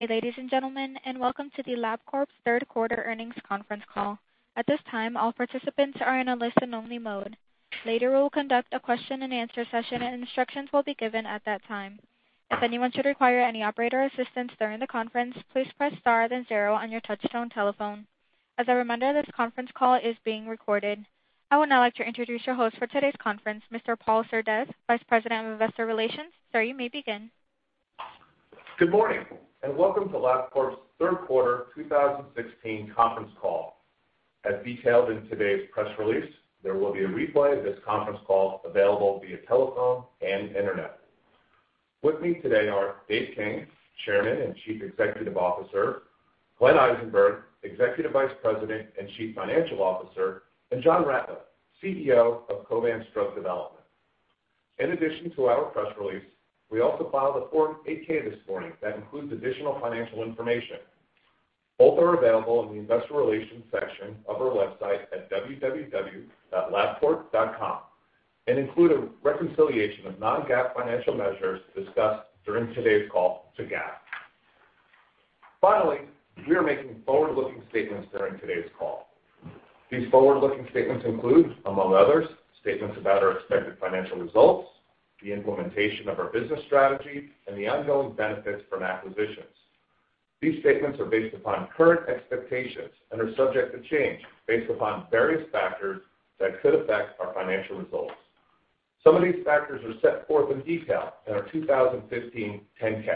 Ladies and gentlemen, and welcome to the Labcorp's third quarter earnings conference call. At this time, all participants are in a listen-only mode. Later, we will conduct a question-and-answer session, and instructions will be given at that time. If anyone should require any operator assistance during the conference, please press star then zero on your touchstone telephone. As a reminder, this conference call is being recorded. I would now like to introduce your host for today's conference, Mr. Paul Cerdes, Vice President of Investor Relations. Sir, you may begin. Good morning, and welcome to Labcorp's third quarter 2016 conference call. As detailed in today's press release, there will be a replay of this conference call available via telephone and internet. With me today are Dave King, Chairman and Chief Executive Officer; Glenn Eisenberg, Executive Vice President and Chief Financial Officer; and John Ratliff, CEO of Covance Drug Development. In addition to our press release, we also filed a Form 8-K this morning that includes additional financial information. Both are available in the Investor Relations section of our website at www.labcorp.com and include a reconciliation of Non-GAAP financial measures discussed during today's call to GAAP. Finally, we are making forward-looking statements during today's call. These forward-looking statements include, among others, statements about our expected financial results, the implementation of our business strategy, and the ongoing benefits from acquisitions. These statements are based upon current expectations and are subject to change based upon various factors that could affect our financial results. Some of these factors are set forth in detail in our 2015 10-K.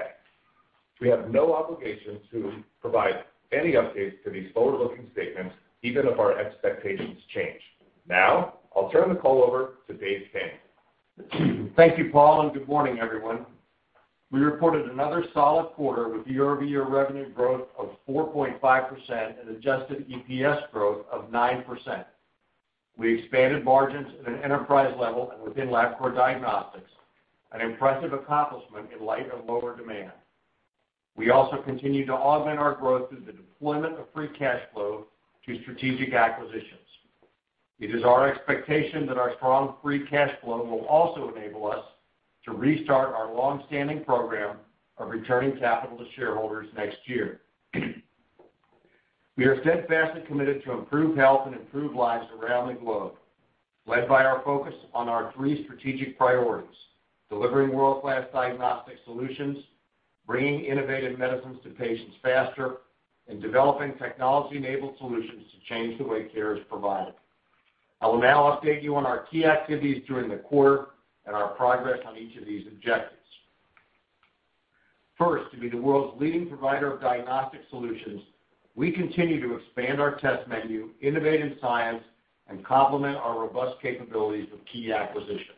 We have no obligation to provide any updates to these forward-looking statements, even if our expectations change. Now, I'll turn the call over to Dave King. Thank you, Paul, and good morning, everyone. We reported another solid quarter with year-over-year revenue growth of 4.5% and adjusted EPS growth of 9%. We expanded margins at an enterprise level and within Labcorp Diagnostics, an impressive accomplishment in light of lower demand. We also continue to augment our growth through the deployment of Free Cash Flow to strategic acquisitions. It is our expectation that our strong Free Cash Flow will also enable us to restart our long-standing program of returning capital to shareholders next year. We are steadfastly committed to improve health and improve lives around the globe, led by our focus on our three strategic priorities: delivering world-class diagnostic solutions, bringing innovative medicines to patients faster, and developing technology-enabled solutions to change the way care is provided. I will now update you on our key activities during the quarter and our progress on each of these objectives. First, to be the world's leading provider of diagnostic solutions, we continue to expand our test menu, innovate in science, and complement our robust capabilities with key acquisitions.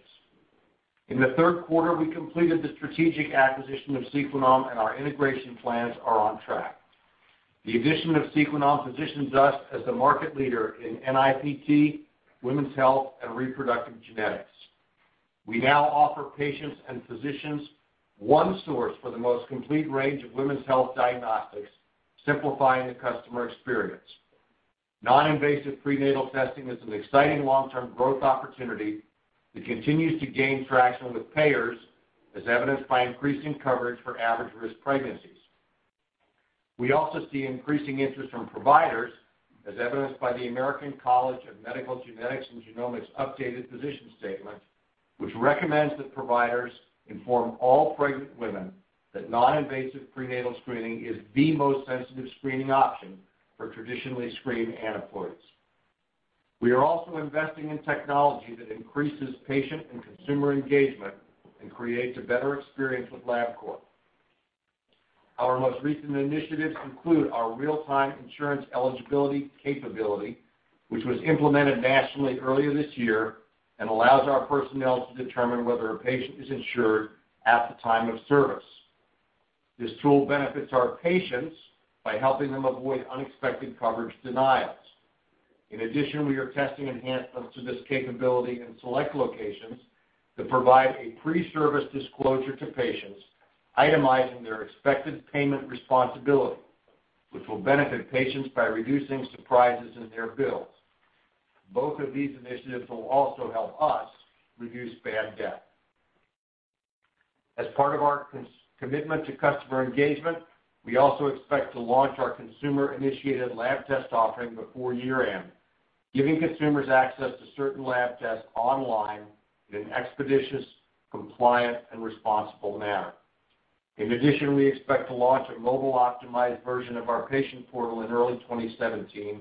In the third quarter, we completed the strategic acquisition of Sequenom, and our integration plans are on track. The addition of Sequenom positions us as the market leader in NIPT, women's health, and reproductive genetics. We now offer patients and physicians one source for the most complete range of women's health diagnostics, simplifying the customer experience. Non-Invasive Prenatal Testing is an exciting long-term growth opportunity that continues to gain traction with payers, as evidenced by increasing coverage for average-risk pregnancies. We also see increasing interest from providers, as evidenced by the American College of Medical Genetics and Genomics' updated position statement, which recommends that providers inform all pregnant women that non-invasive prenatal screening is the most sensitive screening option for traditionally screened aneuploidies. We are also investing in technology that increases patient and consumer engagement and creates a better experience with Labcorp. Our most recent initiatives include our real-time insurance eligibility capability, which was implemented nationally earlier this year and allows our personnel to determine whether a patient is insured at the time of service. This tool benefits our patients by helping them avoid unexpected coverage denials. In addition, we are testing enhancements to this capability in select locations to provide a pre-service disclosure to patients, itemizing their expected payment responsibility, which will benefit patients by reducing surprises in their bills. Both of these initiatives will also help us reduce bad debt. As part of our commitment to customer engagement, we also expect to launch our consumer-initiated lab test offering before year-end, giving consumers access to certain lab tests online in an expeditious, compliant, and responsible manner. In addition, we expect to launch a mobile-optimized version of our patient portal in early 2017,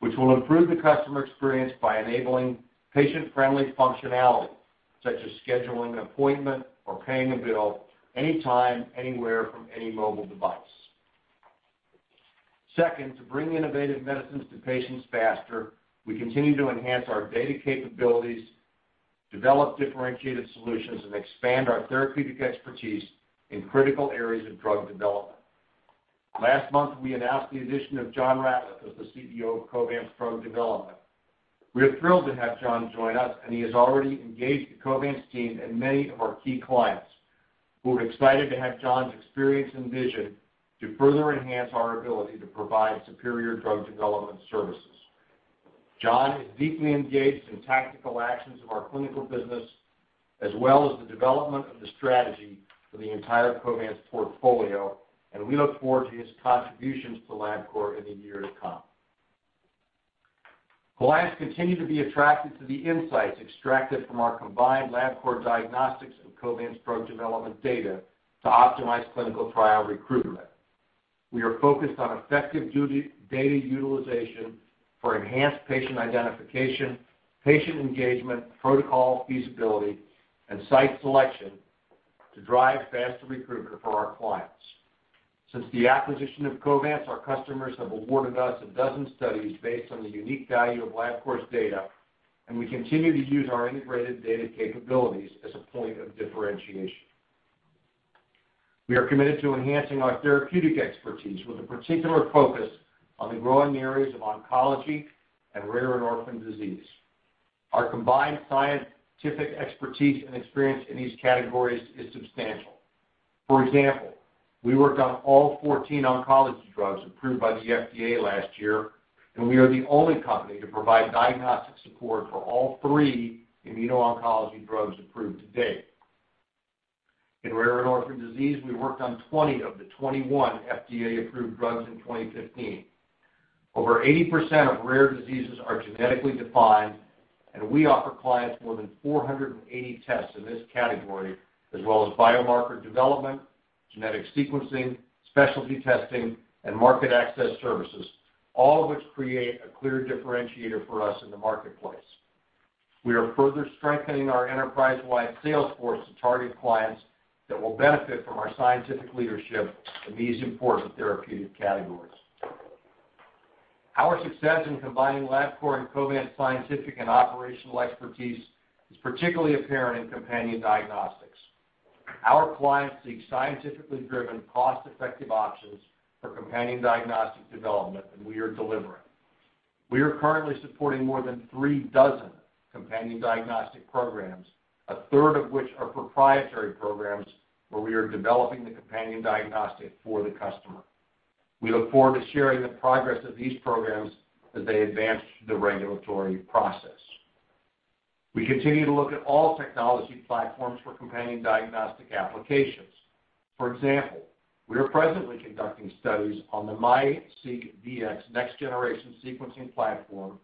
which will improve the customer experience by enabling patient-friendly functionality, such as scheduling an appointment or paying a bill anytime, anywhere from any mobile device. Second, to bring innovative medicines to patients faster, we continue to enhance our data capabilities, develop differentiated solutions, and expand our therapeutic expertise in critical areas of drug development. Last month, we announced the addition of John Ratliff as the CEO of Covance Drug Development. We are thrilled to have John join us, and he has already engaged the Covance team and many of our key clients. We're excited to have John's experience and vision to further enhance our ability to provide superior drug development services. John is deeply engaged in tactical actions of our clinical business, as well as the development of the strategy for the entire Covance portfolio, and we look forward to his contributions to Labcorp in the year to come. Clients continue to be attracted to the insights extracted from our combined Labcorp Diagnostics and Covance Drug Development data to optimize clinical trial recruitment. We are focused on effective data utilization for enhanced patient identification, patient engagement, protocol feasibility, and site selection to drive faster recruitment for our clients. Since the acquisition of Covance, our customers have awarded us a dozen studies based on the unique value of Labcorp's data, and we continue to use our integrated data capabilities as a point of differentiation. We are committed to enhancing our therapeutic expertise with a particular focus on the growing areas of oncology and rare and orphan disease. Our combined scientific expertise and experience in these categories is substantial. For example, we work on all 14 oncology drugs approved by the FDA last year, and we are the only company to provide diagnostic support for all three immuno-oncology drugs approved to date. In rare and orphan disease, we worked on 20 of the 21 FDA-approved drugs in 2015. Over 80% of rare diseases are genetically defined, and we offer clients more than 480 tests in this category, as well as biomarker development, genetic sequencing, specialty testing, and market access services, all of which create a clear differentiator for us in the marketplace. We are further strengthening our enterprise-wide sales force to target clients that will benefit from our scientific leadership in these important therapeutic categories. Our success in combining Labcorp and Covance's scientific and operational expertise is particularly apparent in companion diagnostics. Our clients seek scientifically driven, cost-effective options for companion diagnostic development, and we are delivering. We are currently supporting more than three dozen companion diagnostic programs, a third of which are proprietary programs where we are developing the companion diagnostic for the customer. We look forward to sharing the progress of these programs as they advance the regulatory process. We continue to look at all technology platforms for companion diagnostic applications. For example, we are presently conducting studies on the MiSeqDx next-generation sequencing platform,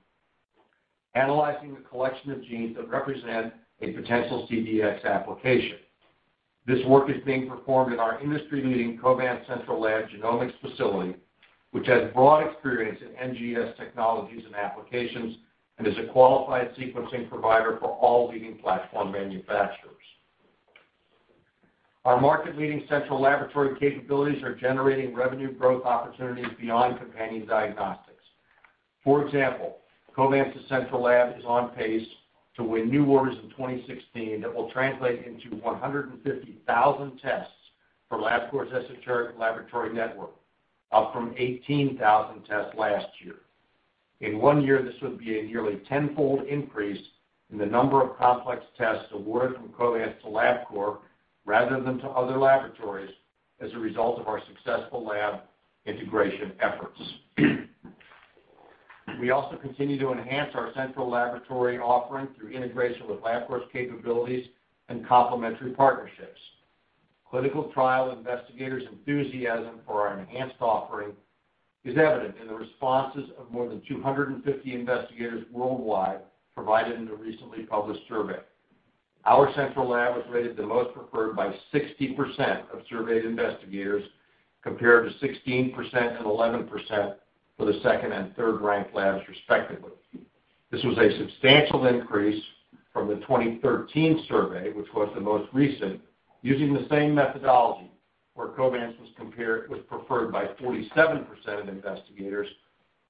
analyzing a collection of genes that represent a potential CDX application. This work is being performed in our industry-leading Covance Central Lab Genomics facility, which has broad experience in NGS technologies and applications and is a qualified sequencing provider for all leading platform manufacturers. Our market-leading central laboratory capabilities are generating revenue growth opportunities beyond companion diagnostics. For example, Covance's central lab is on pace to win new orders in 2016 that will translate into 150,000 tests for Labcorp's esoteric laboratory network, up from 18,000 tests last year. In one year, this would be a nearly tenfold increase in the number of complex tests awarded from Covance to Labcorp rather than to other laboratories as a result of our successful lab integration efforts. We also continue to enhance our central laboratory offering through integration with Labcorp's capabilities and complementary partnerships. Clinical trial investigators' enthusiasm for our enhanced offering is evident in the responses of more than 250 investigators worldwide provided in a recently published survey. Our central lab was rated the most preferred by 60% of surveyed investigators compared to 16% and 11% for the second and third-ranked labs, respectively. This was a substantial increase from the 2013 survey, which was the most recent, using the same methodology where Covance was preferred by 47% of investigators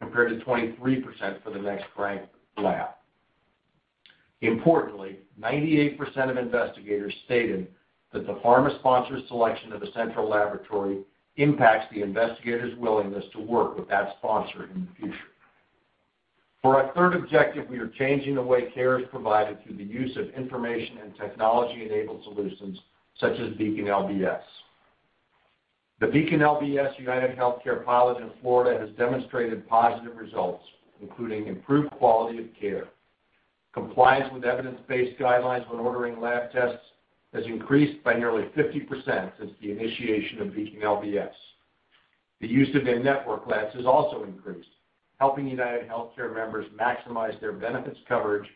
compared to 23% for the next-ranked lab. Importantly, 98% of investigators stated that the pharma-sponsored selection of a central laboratory impacts the investigators' willingness to work with that sponsor in the future. For our third objective, we are changing the way care is provided through the use of information and technology-enabled solutions such as Beacon LBS. The Beacon LBS United Healthcare pilot in Florida has demonstrated positive results, including improved quality of care. Compliance with evidence-based guidelines when ordering lab tests has increased by nearly 50% since the initiation of Beacon LBS. The use of their network labs has also increased, helping United Healthcare members maximize their benefits coverage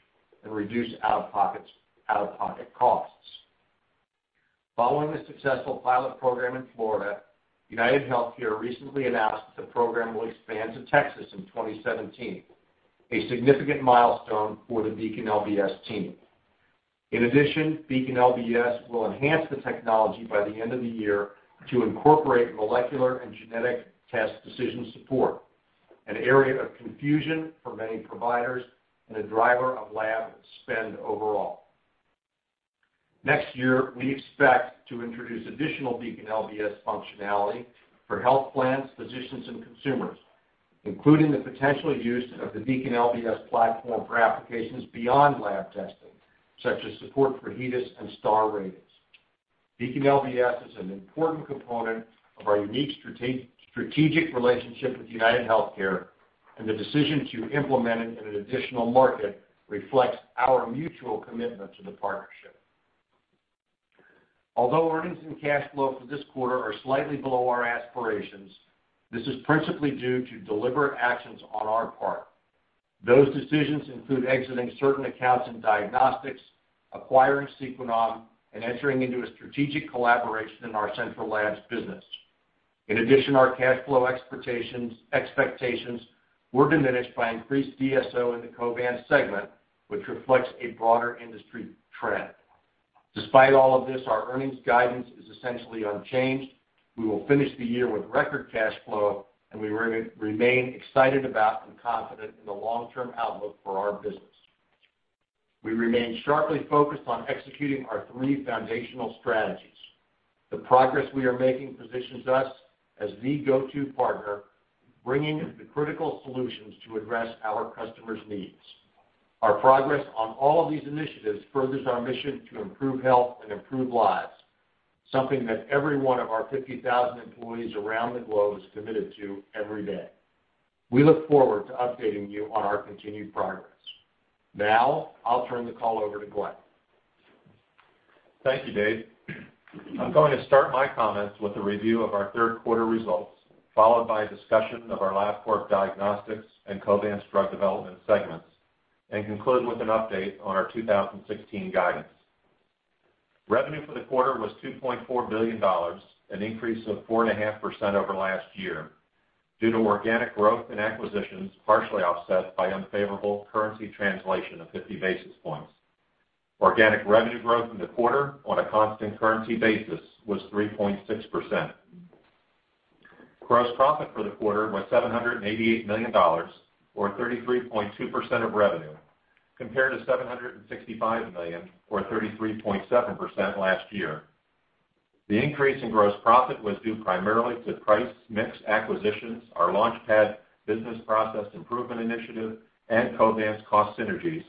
and reduce out-of-pocket costs. Following the successful pilot program in Florida, United Healthcare recently announced that the program will expand to Texas in 2017, a significant milestone for the Beacon LBS team. In addition, Beacon LBS will enhance the technology by the end of the year to incorporate molecular and genetic test decision support, an area of confusion for many providers and a driver of lab spend overall. Next year, we expect to introduce additional Beacon LBS functionality for health plans, physicians, and consumers, including the potential use of the Beacon LBS platform for applications beyond lab testing, such as support for HEDIS and STAR ratings. Beacon LBS is an important component of our unique strategic relationship with United Healthcare, and the decision to implement it in an additional market reflects our mutual commitment to the partnership. Although earnings and cash flow for this quarter are slightly below our aspirations, this is principally due to deliberate actions on our part. Those decisions include exiting certain accounts in diagnostics, acquiring Sequenom, and entering into a strategic collaboration in our central lab's business. In addition, our cash flow expectations were diminished by increased DSO in the Covance segment, which reflects a broader industry trend. Despite all of this, our earnings guidance is essentially unchanged. We will finish the year with record cash flow, and we remain excited about and confident in the long-term outlook for our business. We remain sharply focused on executing our three foundational strategies. The progress we are making positions us as the go-to partner, bringing the critical solutions to address our customers' needs. Our progress on all of these initiatives furthers our mission to improve health and improve lives, something that every one of our 50,000 employees around the globe is committed to every day. We look forward to updating you on our continued progress. Now, I'll turn the call over to Glenn. Thank you, Dave. I'm going to start my comments with a review of our third-quarter results, followed by a discussion of our Labcorp Diagnostics and Covance drug development segments, and conclude with an update on our 2016 guidance. Revenue for the quarter was $2.4 billion, an increase of 4.5% over last year, due to organic growth and acquisitions partially offset by unfavorable currency translation of 50 basis points. Organic revenue growth in the quarter on a constant currency basis was 3.6%. Gross profit for the quarter was $788 million, or 33.2% of revenue, compared to $765 million, or 33.7% last year. The increase in gross profit was due primarily to price-mixed acquisitions, our Launchpad business process improvement initiative, and Covance's cost synergies,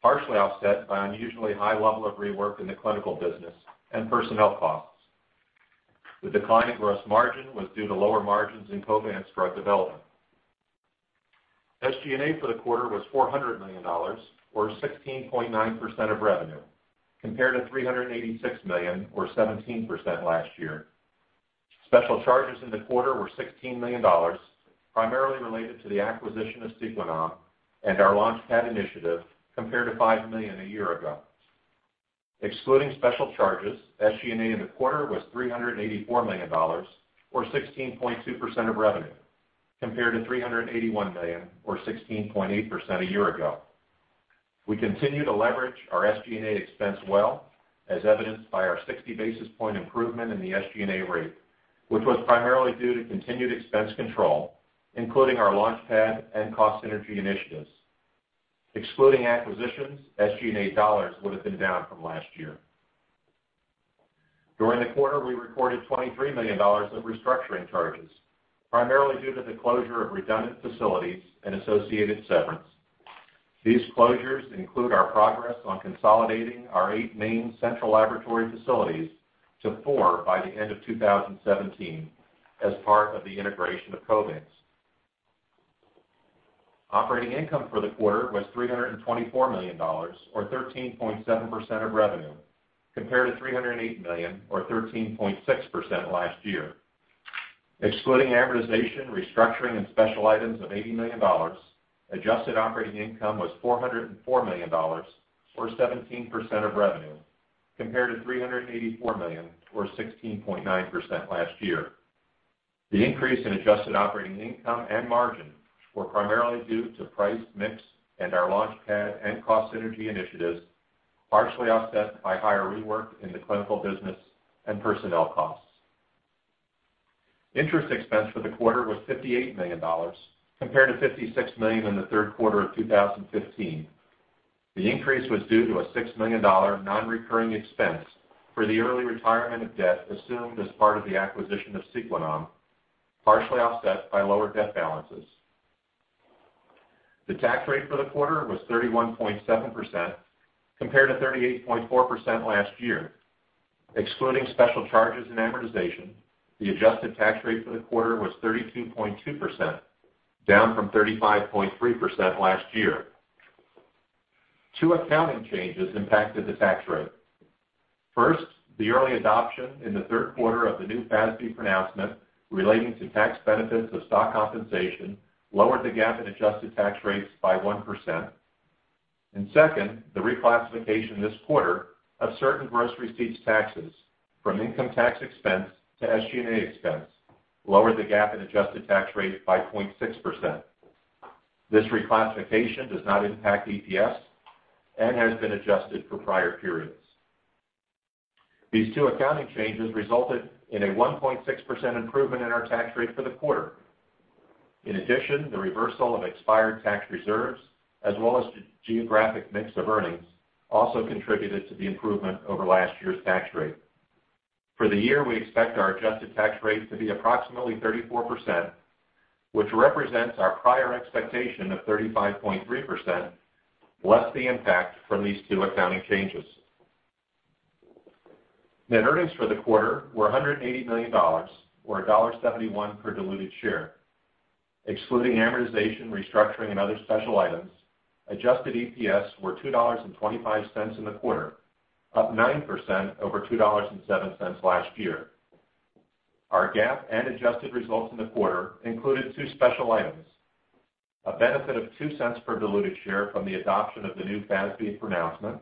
partially offset by an unusually high level of rework in the clinical business and personnel costs. The decline in gross margin was due to lower margins in Covance's drug development. SG&A for the quarter was $400 million, or 16.9% of revenue, compared to $386 million, or 17% last year. Special charges in the quarter were $16 million, primarily related to the acquisition of Sequenom and our Launchpad initiative, compared to $5 million a year ago. Excluding special charges, SG&A in the quarter was $384 million, or 16.2% of revenue, compared to $381 million, or 16.8% a year ago. We continue to leverage our SG&A expense well, as evidenced by our 60 basis point improvement in the SG&A rate, which was primarily due to continued expense control, including our Launchpad and cost synergy initiatives. Excluding acquisitions, SG&A dollars would have been down from last year. During the quarter, we recorded $23 million of restructuring charges, primarily due to the closure of redundant facilities and associated severance. These closures include our progress on consolidating our eight main central laboratory facilities to four by the end of 2017 as part of the integration of Covance. Operating income for the quarter was $324 million, or 13.7% of revenue, compared to $308 million, or 13.6% last year. Excluding amortization, restructuring, and special items of $80 million, adjusted operating income was $404 million, or 17% of revenue, compared to $384 million, or 16.9% last year. The increase in adjusted operating income and margin was primarily due to price-mixed and our Launchpad and cost synergy initiatives, partially offset by higher rework in the clinical business and personnel costs. Interest expense for the quarter was $58 million, compared to $56 million in the third quarter of 2015. The increase was due to a $6 million non-recurring expense for the early retirement of debt assumed as part of the acquisition of Sequenom, partially offset by lower debt balances. The tax rate for the quarter was 31.7%, compared to 38.4% last year. Excluding special charges and amortization, the adjusted tax rate for the quarter was 32.2%, down from 35.3% last year. Two accounting changes impacted the tax rate. First, the early adoption in the third quarter of the new FASB pronouncement relating to tax benefits of stock compensation lowered the GAAP in adjusted tax rates by 1%. Second, the reclassification this quarter of certain gross receipts taxes from income tax expense to SG&A expense lowered the GAAP in adjusted tax rate by 0.6%. This reclassification does not impact EPS and has been adjusted for prior periods. These two accounting changes resulted in a 1.6% improvement in our tax rate for the quarter. In addition, the reversal of expired tax reserves, as well as the geographic mix of earnings, also contributed to the improvement over last year's tax rate. For the year, we expect our adjusted tax rate to be approximately 34%, which represents our prior expectation of 35.3%, less the impact from these two accounting changes. Net earnings for the quarter were $180 million, or $1.71 per diluted share. Excluding amortization, restructuring, and other special items, adjusted EPS were $2.25 in the quarter, up 9% over $2.07 last year. Our GAAP and adjusted results in the quarter included two special items: a benefit of $0.02 per diluted share from the adoption of the new FASB pronouncement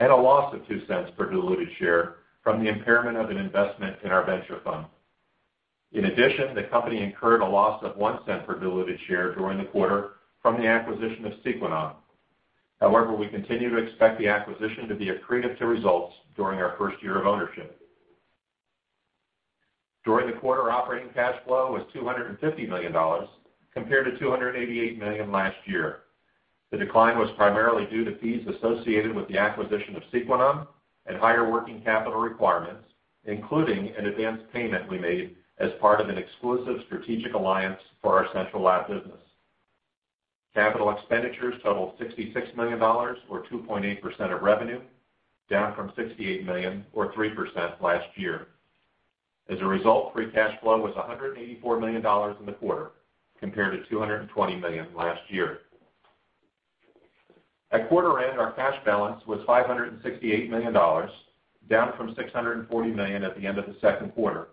and a loss of $0.02 per diluted share from the impairment of an investment in our venture fund. In addition, the company incurred a loss of $0.01 per diluted share during the quarter from the acquisition of Sequenom. However, we continue to expect the acquisition to be accretive to results during our first year of ownership. During the quarter, operating cash flow was $250 million, compared to $288 million last year. The decline was primarily due to fees associated with the acquisition of Sequenom and higher working capital requirements, including an advance payment we made as part of an exclusive strategic alliance for our central lab business. Capital expenditures totaled $66 million, or 2.8% of revenue, down from $68 million, or 3% last year. As a result, Free Cash Flow was $184 million in the quarter, compared to $220 million last year. At quarter end, our cash balance was $568 million, down from $640 million at the end of the second quarter.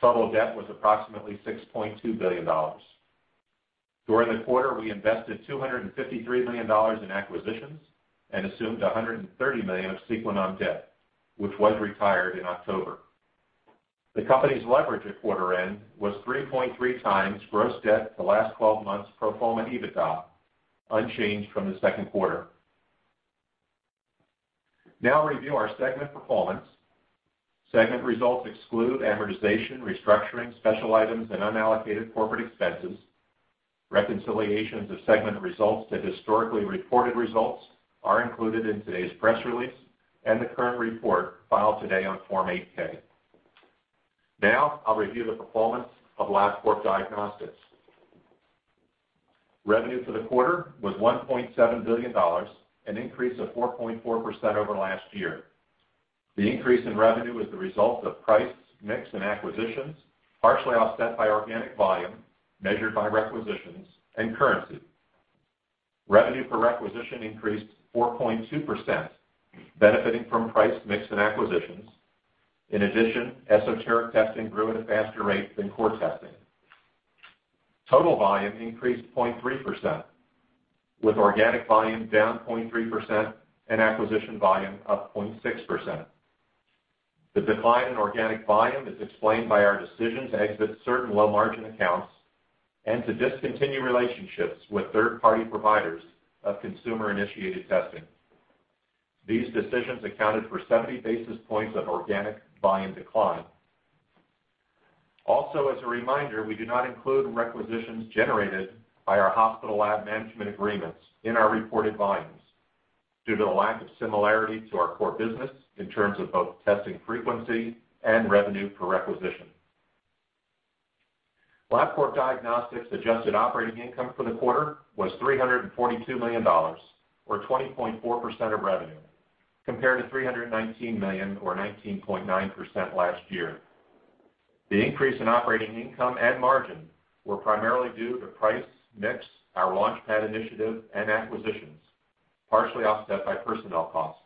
Total debt was approximately $6.2 billion. During the quarter, we invested $253 million in acquisitions and assumed $130 million of Sequenom debt, which was retired in October. The company's leverage at quarter end was 3.3x gross debt the last 12 months pro forma EBITDA, unchanged from the second quarter. Now, review our segment performance. Segment results exclude amortization, restructuring, special items, and unallocated corporate expenses. Reconciliations of segment results to historically reported results are included in today's press release and the current report filed today on Form 8-K. Now, I'll review the performance of Labcorp Diagnostics. Revenue for the quarter was $1.7 billion, an increase of 4.4% over last year. The increase in revenue is the result of price-mix and acquisitions, partially offset by organic volume, measured by requisitions, and currency. Revenue per requisition increased 4.2%, benefiting from price-mix and acquisitions. In addition, esoteric testing grew at a faster rate than core testing. Total volume increased 0.3%, with organic volume down 0.3% and acquisition volume up 0.6%. The decline in organic volume is explained by our decision to exit certain low-margin accounts and to discontinue relationships with third-party providers of consumer-initiated testing. These decisions accounted for 70 basis points of organic volume decline. Also, as a reminder, we do not include requisitions generated by our hospital lab management agreements in our reported volumes due to the lack of similarity to our core business in terms of both testing frequency and revenue per requisition. Labcorp Diagnostics' adjusted operating income for the quarter was $342 million, or 20.4% of revenue, compared to $319 million, or 19.9% last year. The increase in operating income and margin was primarily due to price-mix, our Launchpad initiative, and acquisitions, partially offset by personnel costs.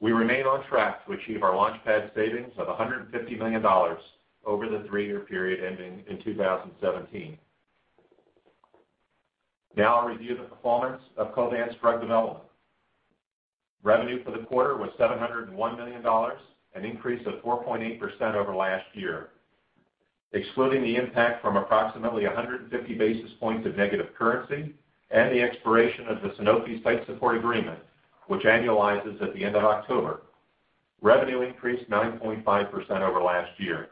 We remain on track to achieve our Launchpad savings of $150 million over the three-year period ending in 2017. Now, I'll review the performance of Covance's drug development. Revenue for the quarter was $701 million, an increase of 4.8% over last year. Excluding the impact from approximately 150 basis points of negative currency and the expiration of the Sanofi site support agreement, which annualizes at the end of October, revenue increased 9.5% over last year.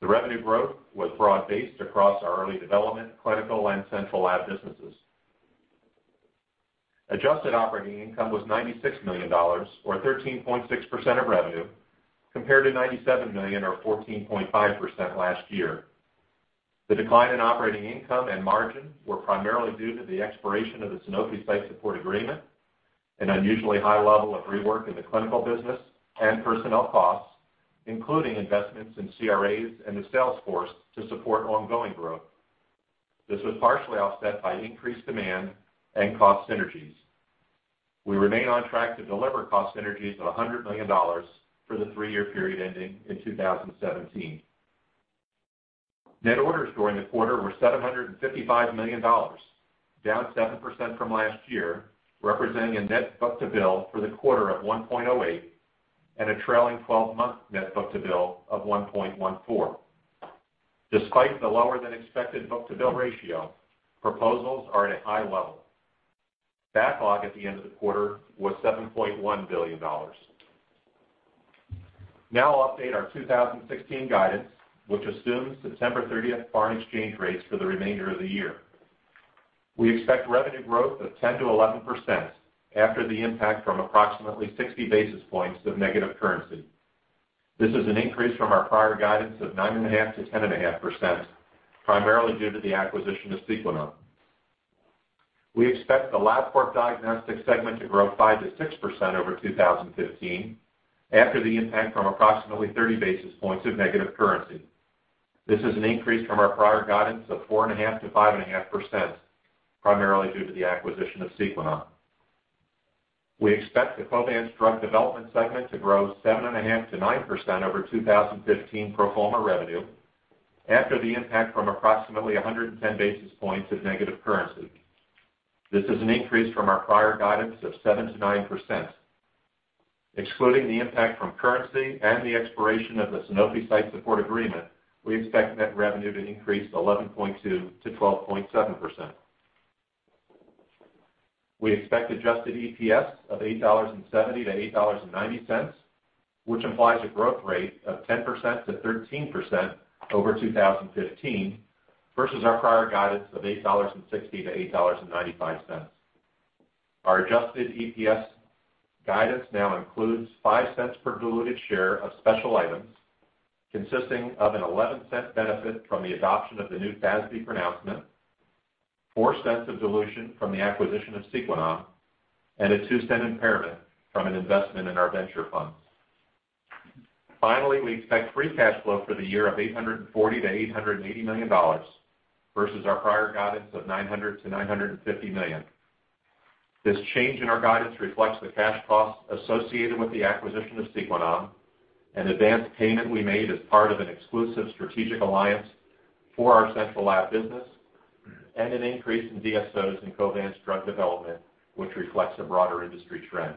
The revenue growth was broad-based across our early development, clinical, and central lab businesses. Adjusted operating income was $96 million, or 13.6% of revenue, compared to $97 million, or 14.5% last year. The decline in operating income and margin was primarily due to the expiration of the Sanofi site support agreement, an unusually high level of rework in the clinical business and personnel costs, including investments in CRAs and the Salesforce to support ongoing growth. This was partially offset by increased demand and cost synergies. We remain on track to deliver cost synergies of $100 million for the three-year period ending in 2017. Net orders during the quarter were $755 million, down 7% from last year, representing a net book-to-bill for the quarter of 1.08 and a trailing 12-month net book-to-bill of 1.14. Despite the lower-than-expected book-to-bill ratio, proposals are at a high level. Backlog at the end of the quarter was $7.1 billion. Now, I'll update our 2016 guidance, which assumes September 30th foreign exchange rates for the remainder of the year. We expect revenue growth of 10%-11% after the impact from approximately 60 basis points of negative currency. This is an increase from our prior guidance of 9.5%-10.5%, primarily due to the acquisition of Sequenom. We expect the Labcorp Diagnostics segment to grow 5%-6% over 2015 after the impact from approximately 30 basis points of negative currency. This is an increase from our prior guidance of 4.5%-5.5%, primarily due to the acquisition of Sequenom. We expect the Covance drug development segment to grow 7.5%-9% over 2015 pro forma revenue after the impact from approximately 110 basis points of negative currency. This is an increase from our prior guidance of 7%-9%. Excluding the impact from currency and the expiration of the Sanofi site support agreement, we expect net revenue to increase 11.2%-12.7%. We expect adjusted EPS of $8.70-$8.90, which implies a growth rate of 10%-13% over 2015 versus our prior guidance of $8.60-$8.95. Our adjusted EPS guidance now includes $0.05 per diluted share of special items, consisting of an $0.11 benefit from the adoption of the new FASB pronouncement, $0.04 of dilution from the acquisition of Sequenom, and a $0.02 impairment from an investment in our venture fund. Finally, we expect Free Cash Flow for the year of $840 million-$880 million versus our prior guidance of $900 million-$950 million. This change in our guidance reflects the cash costs associated with the acquisition of Sequenom and advance payment we made as part of an exclusive strategic alliance for our central lab business and an increase in DSOs in Covance's drug development, which reflects a broader industry trend.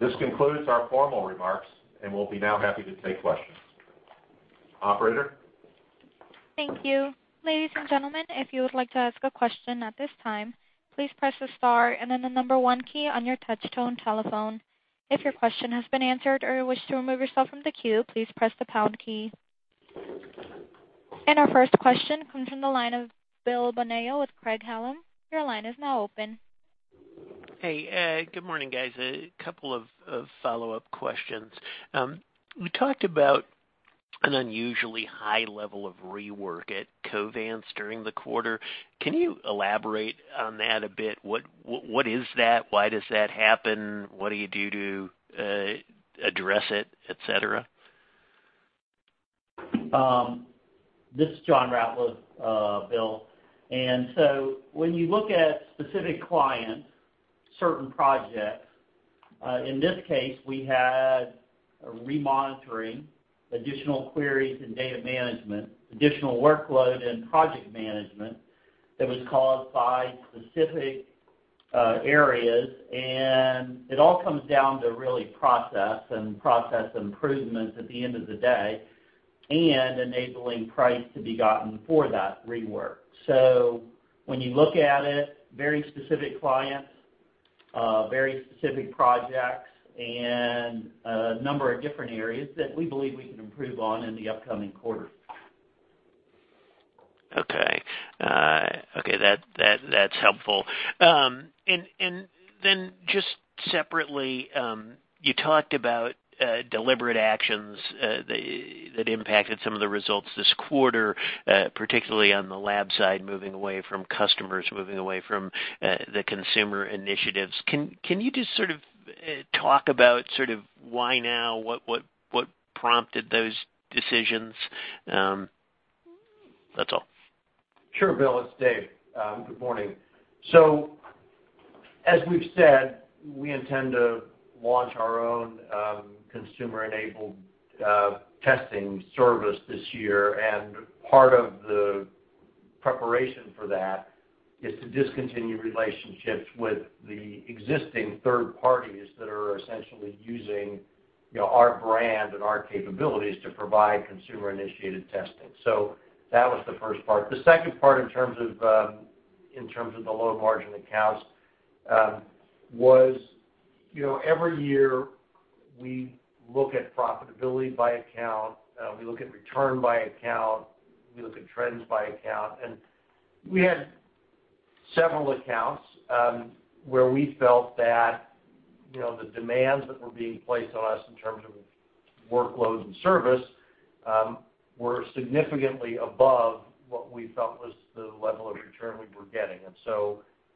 This concludes our formal remarks, and we'll be now happy to take questions. Operator. Thank you. Ladies and gentlemen, if you would like to ask a question at this time, please press the star and then the number one key on your touch-tone telephone. If your question has been answered or you wish to remove yourself from the queue, please press the pound key. Our first question comes from the line of Bill Bonello with Craig Hallum. Your line is now open. Hey, good morning, guys. A couple of follow-up questions. We talked about an unusually high level of rework at Covance during the quarter. Can you elaborate on that a bit? What is that? Why does that happen? What do you do to address it, etc.? This is John Ratliff, Bill. When you look at specific clients, certain projects, in this case, we had remonitoring, additional queries and data management, additional workload and project management that was caused by specific areas. It all comes down to really process and process improvements at the end of the day and enabling price to be gotten for that rework. When you look at it, very specific clients, very specific projects, and a number of different areas that we believe we can improve on in the upcoming quarter. Okay. Okay, that's helpful. Then just separately, you talked about deliberate actions that impacted some of the results this quarter, particularly on the lab side, moving away from customers, moving away from the consumer initiatives. Can you just sort of talk about sort of why now, what prompted those decisions? That's all. Sure, Bill. It's Dave. Good morning. As we've said, we intend to launch our own consumer-enabled testing service this year. Part of the preparation for that is to discontinue relationships with the existing third parties that are essentially using our brand and our capabilities to provide consumer-initiated testing. That was the first part. The second part in terms of the low-margin accounts was every year we look at profitability by account. We look at return by account. We look at trends by account. We had several accounts where we felt that the demands that were being placed on us in terms of workload and service were significantly above what we felt was the level of return we were getting.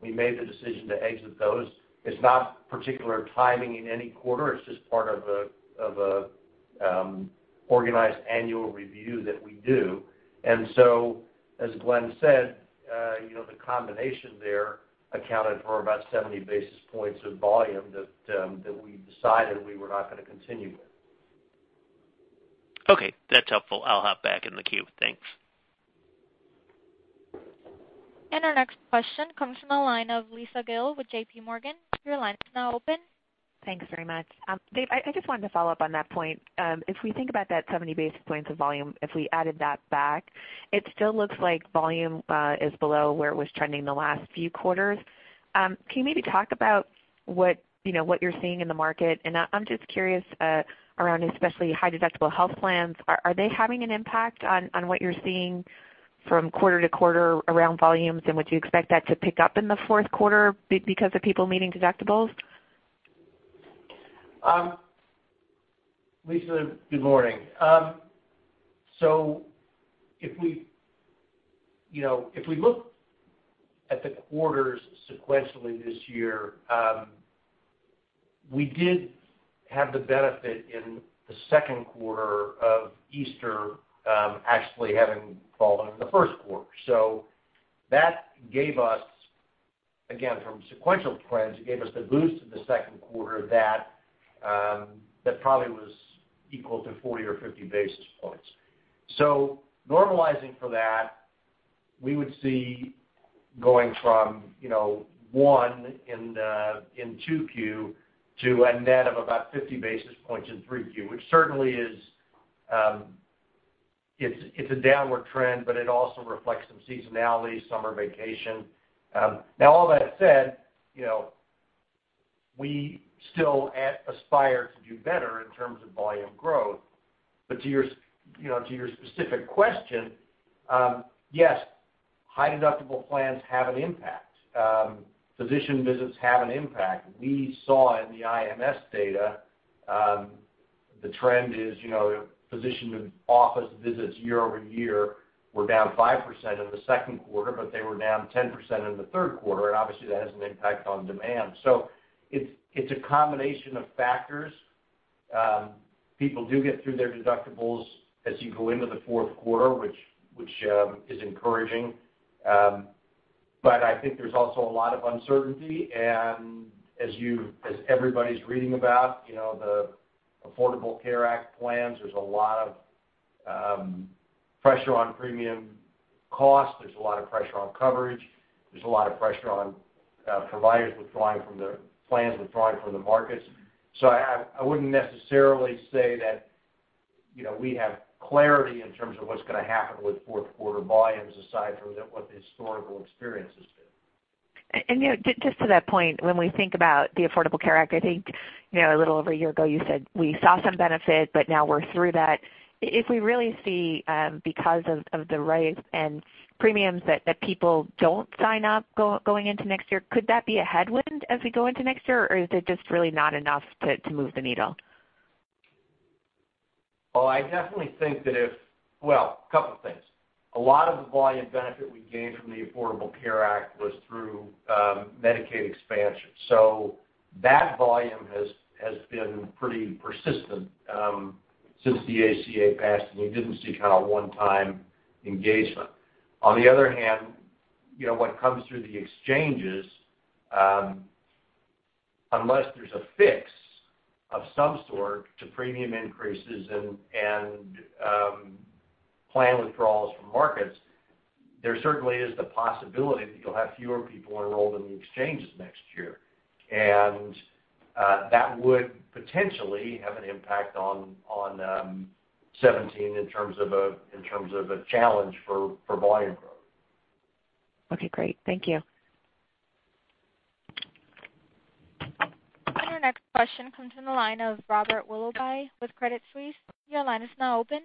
We made the decision to exit those. It is not particular timing in any quarter. It is just part of an organized annual review that we do. As Glenn said, the combination there accounted for about 70 basis points of volume that we decided we were not going to continue with. Okay, that's helpful. I'll hop back in the queue. Thanks. Our next question comes from the line of Lisa Gale with JPMorgan. Your line is now open. Thanks very much. Dave, I just wanted to follow up on that point. If we think about that 70 basis points of volume, if we added that back, it still looks like volume is below where it was trending the last few quarters. Can you maybe talk about what you're seeing in the market? I'm just curious around especially high-deductible health plans. Are they having an impact on what you're seeing from quarter to quarter around volumes? Would you expect that to pick up in the fourth quarter because of people needing deductibles? Lisa, good morning. If we look at the quarters sequentially this year, we did have the benefit in the second quarter of Easter actually having fallen in the first quarter. That gave us, again, from sequential trends, it gave us the boost in the second quarter that probably was equal to 40 or 50 basis points. Normalizing for that, we would see going from 1Q and 2Q to a net of about 50 basis points in 3Q, which certainly is a downward trend, but it also reflects some seasonality, summer vacation. All that said, we still aspire to do better in terms of volume growth. To your specific question, yes, high-deductible plans have an impact. Physician visits have an impact. We saw in the IMS data the trend is physician office visits year over year were down 5% in the second quarter, but they were down 10% in the third quarter. Obviously, that has an impact on demand. It is a combination of factors. People do get through their deductibles as you go into the fourth quarter, which is encouraging. I think there is also a lot of uncertainty. As everybody is reading about the Affordable Care Act plans, there is a lot of pressure on premium costs. There is a lot of pressure on coverage. There is a lot of pressure on providers withdrawing from the plans, withdrawing from the markets. I would not necessarily say that we have clarity in terms of what is going to happen with fourth quarter volumes aside from what the historical experience has been. Just to that point, when we think about the Affordable Care Act, I think a little over a year ago, you said, "We saw some benefit, but now we're through that." If we really see, because of the rise in premiums that people don't sign up going into next year, could that be a headwind as we go into next year, or is it just really not enough to move the needle? I definitely think that if, well, a couple of things. A lot of the volume benefit we gained from the Affordable Care Act was through Medicaid expansion. So that volume has been pretty persistent since the ACA passed, and you didn't see kind of one-time engagement. On the other hand, what comes through the exchanges, unless there's a fix of some sort to premium increases and plan withdrawals from markets, there certainly is the possibility that you'll have fewer people enrolled in the exchanges next year. That would potentially have an impact on 2017 in terms of a challenge for volume growth. Okay, great. Thank you. Our next question comes from the line of Robert Willoughby with Credit Suisse. Your line is now open.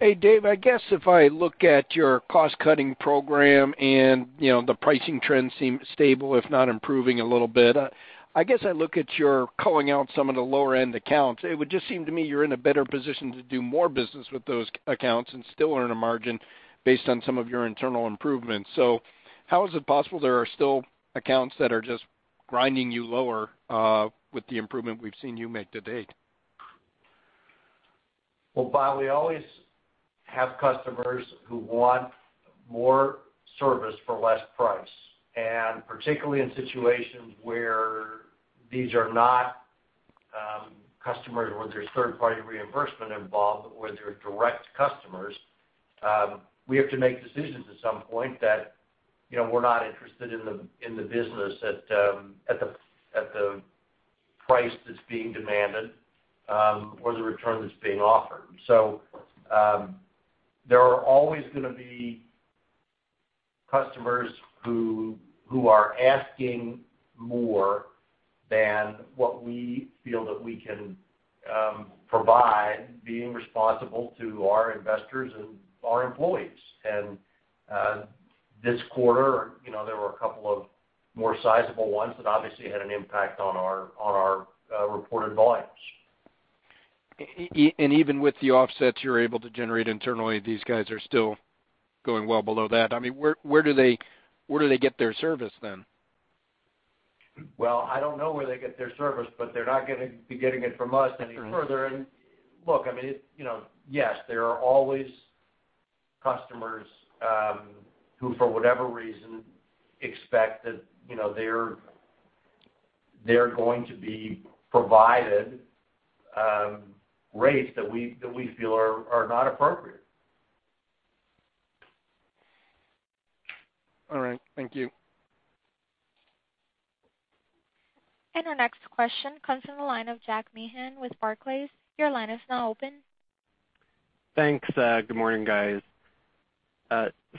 Hey, Dave, I guess if I look at your cost-cutting program and the pricing trends seem stable, if not improving a little bit, I guess I look at your culling out some of the lower-end accounts. It would just seem to me you're in a better position to do more business with those accounts and still earn a margin based on some of your internal improvements. How is it possible there are still accounts that are just grinding you lower with the improvement we've seen you make to date? Rob, we always have customers who want more service for less price. Particularly in situations where these are not customers where there's third-party reimbursement involved, but where they're direct customers, we have to make decisions at some point that we're not interested in the business at the price that's being demanded or the return that's being offered. There are always going to be customers who are asking more than what we feel that we can provide, being responsible to our investors and our employees. This quarter, there were a couple of more sizable ones that obviously had an impact on our reported volumes. Even with the offsets you're able to generate internally, these guys are still going well below that. I mean, where do they get their service then? I don't know where they get their service, but they're not going to be getting it from us any further. Look, I mean, yes, there are always customers who, for whatever reason, expect that they're going to be provided rates that we feel are not appropriate. All right. Thank you. Our next question comes from the line of Jack Meehan with Barclays. Your line is now open. Thanks. Good morning, guys.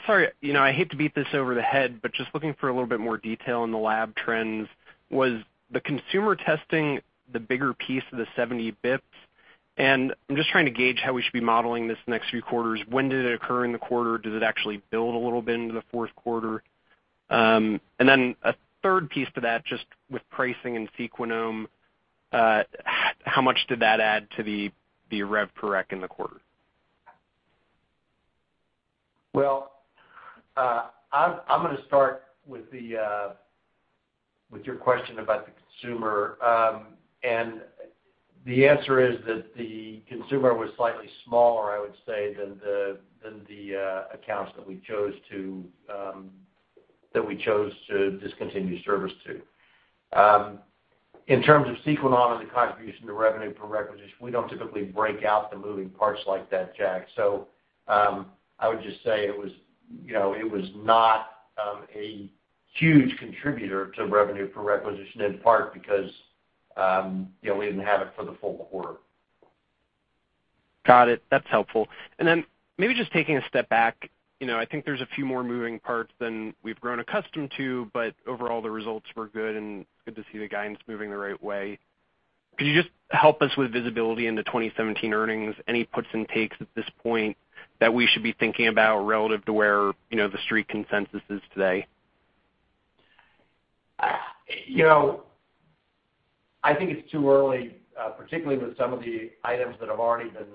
Sorry, I hate to beat this over the head, but just looking for a little bit more detail in the lab trends, was the consumer testing the bigger piece of the 70 basis points? I'm just trying to gauge how we should be modeling this next few quarters. When did it occur in the quarter? Did it actually build a little bit into the fourth quarter? Then a third piece to that, just with pricing and Sequenom, how much did that add to the rev correct in the quarter? I'm going to start with your question about the consumer. The answer is that the consumer was slightly smaller, I would say, than the accounts that we chose to discontinue service to. In terms of Sequenom and the contribution to revenue per requisition, we do not typically break out the moving parts like that, Jack. I would just say it was not a huge contributor to revenue per requisition, in part because we did not have it for the full quarter. Got it. That is helpful. Maybe just taking a step back, I think there are a few more moving parts than we have grown accustomed to, but overall, the results were good, and it is good to see the guidance moving the right way. Could you just help us with visibility into 2017 earnings? Any puts and takes at this point that we should be thinking about relative to where the street consensus is today? I think it's too early, particularly with some of the items that have already been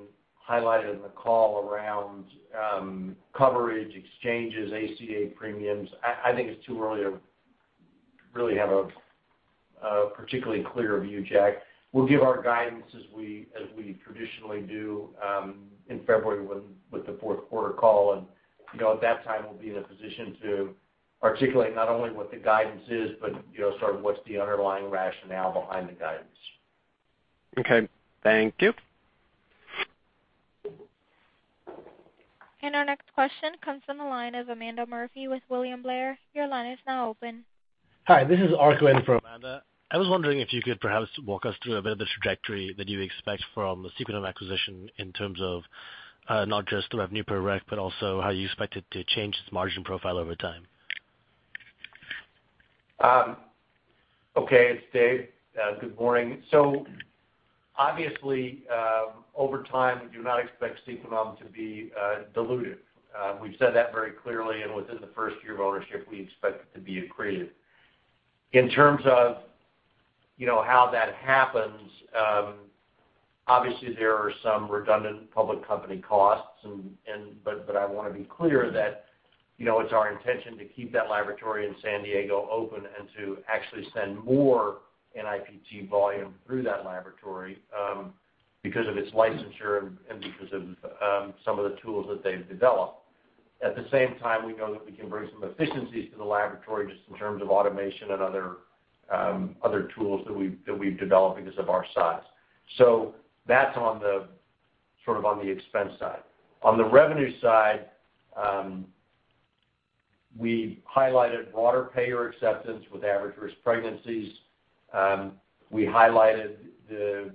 highlighted in the call around coverage, exchanges, ACA premiums. I think it's too early to really have a particularly clear view, Jack. We'll give our guidance as we traditionally do in February with the fourth quarter call. At that time, we'll be in a position to articulate not only what the guidance is, but sort of what's the underlying rationale behind the guidance Okay. Thank you. Our next question comes from the line of Amanda Murphy with William Blair. Your line is now open. Hi, this is Arthur in for Amanda. I was wondering if you could perhaps walk us through a bit of the trajectory that you expect from the Sequenom acquisition in terms of not just the revenue per rec, but also how you expect it to change its margin profile over time. Okay, it's Dave. Good morning. Obviously, over time, we do not expect Sequenom to be diluted. We've said that very clearly. Within the first year of ownership, we expect it to be accretive. In terms of how that happens, obviously, there are some redundant public company costs. I want to be clear that it's our intention to keep that laboratory in San Diego open and to actually send more NIPT volume through that laboratory because of its licensure and because of some of the tools that they've developed. At the same time, we know that we can bring some efficiencies to the laboratory just in terms of automation and other tools that we've developed because of our size. That's sort of on the expense side. On the revenue side, we highlighted broader payer acceptance with average risk pregnancies. We highlighted the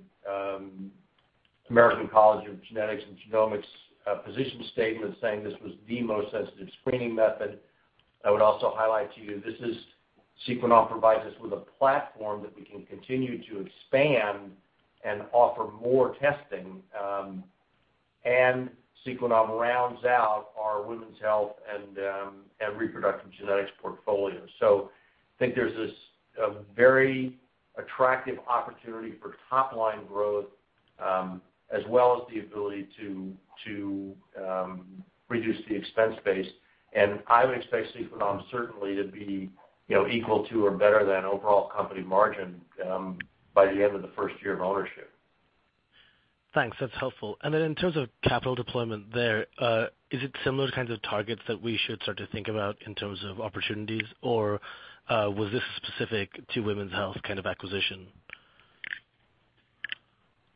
American College of Medical Genetics and Genomics physician statement saying this was the most sensitive screening method. I would also highlight to you this is Sequenom provides us with a platform that we can continue to expand and offer more testing. Sequenom rounds out our women's health and reproductive genetics portfolio. I think there's a very attractive opportunity for top-line growth as well as the ability to reduce the expense base. I would expect Sequenom certainly to be equal to or better than overall company margin by the end of the first year of ownership. Thanks. That's helpful. In terms of capital deployment there, is it similar kinds of targets that we should start to think about in terms of opportunities, or was this specific to women's health kind of acquisition?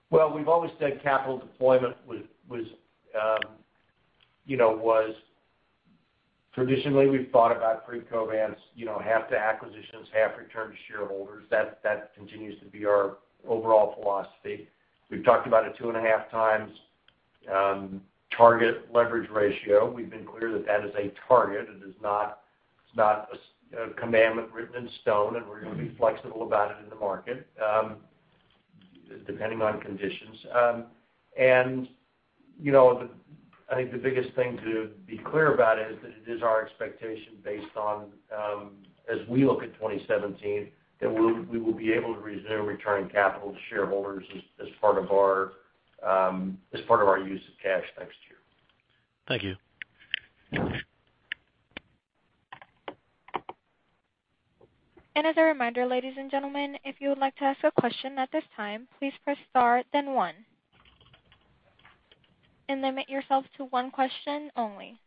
We've always said capital deployment was traditionally we've thought about pre-Covance, half to acquisitions, half return to shareholders. That continues to be our overall philosophy. We've talked about a two and a half times target leverage ratio. We've been clear that that is a target. It is not a commandment written in stone, and we're going to be flexible about it in the market depending on conditions. I think the biggest thing to be clear about is that it is our expectation based on, as we look at 2017, that we will be able to resume returning capital to shareholders as part of our use of cash next year. Thank you. As a reminder, ladies and gentlemen, if you would like to ask a question at this time, please press star, then one. Limit yourself to one question only.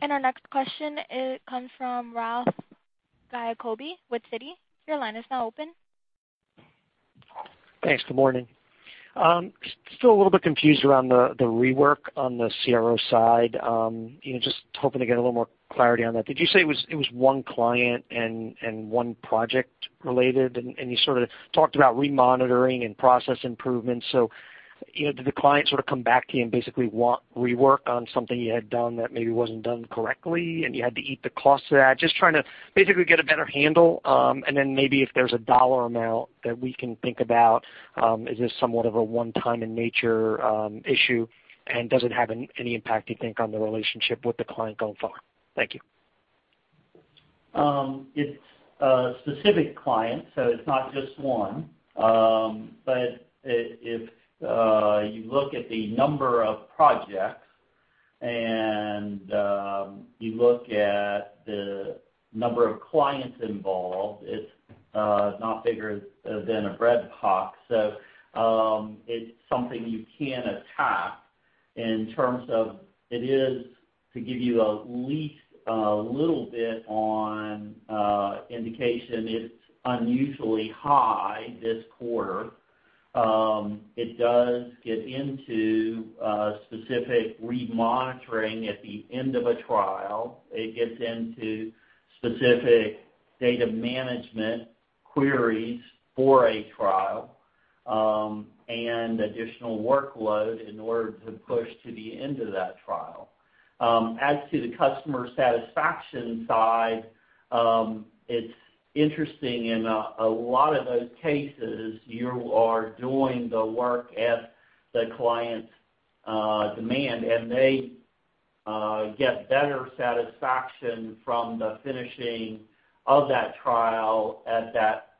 Our next question comes from Ralph Giacobbe with Citi. Your line is now open. Thanks. Good morning. Still a little bit confused around the rework on the CRO side. Just hoping to get a little more clarity on that. Did you say it was one client and one project related? You sort of talked about remonitoring and process improvements. Did the client sort of come back to you and basically want rework on something you had done that maybe was not done correctly, and you had to eat the cost of that? Just trying to basically get a better handle. Then maybe if there is a dollar amount that we can think about, is this somewhat of a one-time in nature issue, and does it have any impact, you think, on the relationship with the client going forward? Thank you. It is a specific client, so it is not just one. If you look at the number of projects and you look at the number of clients involved, it is not bigger than a bread box. It is something you can attack in terms of it is, to give you at least a little bit of an indication, it is unusually high this quarter. It does get into specific remonitoring at the end of a trial. It gets into specific data management queries for a trial and additional workload in order to push to the end of that trial. As to the customer satisfaction side, it's interesting in a lot of those cases, you are doing the work at the client's demand, and they get better satisfaction from the finishing of that trial at that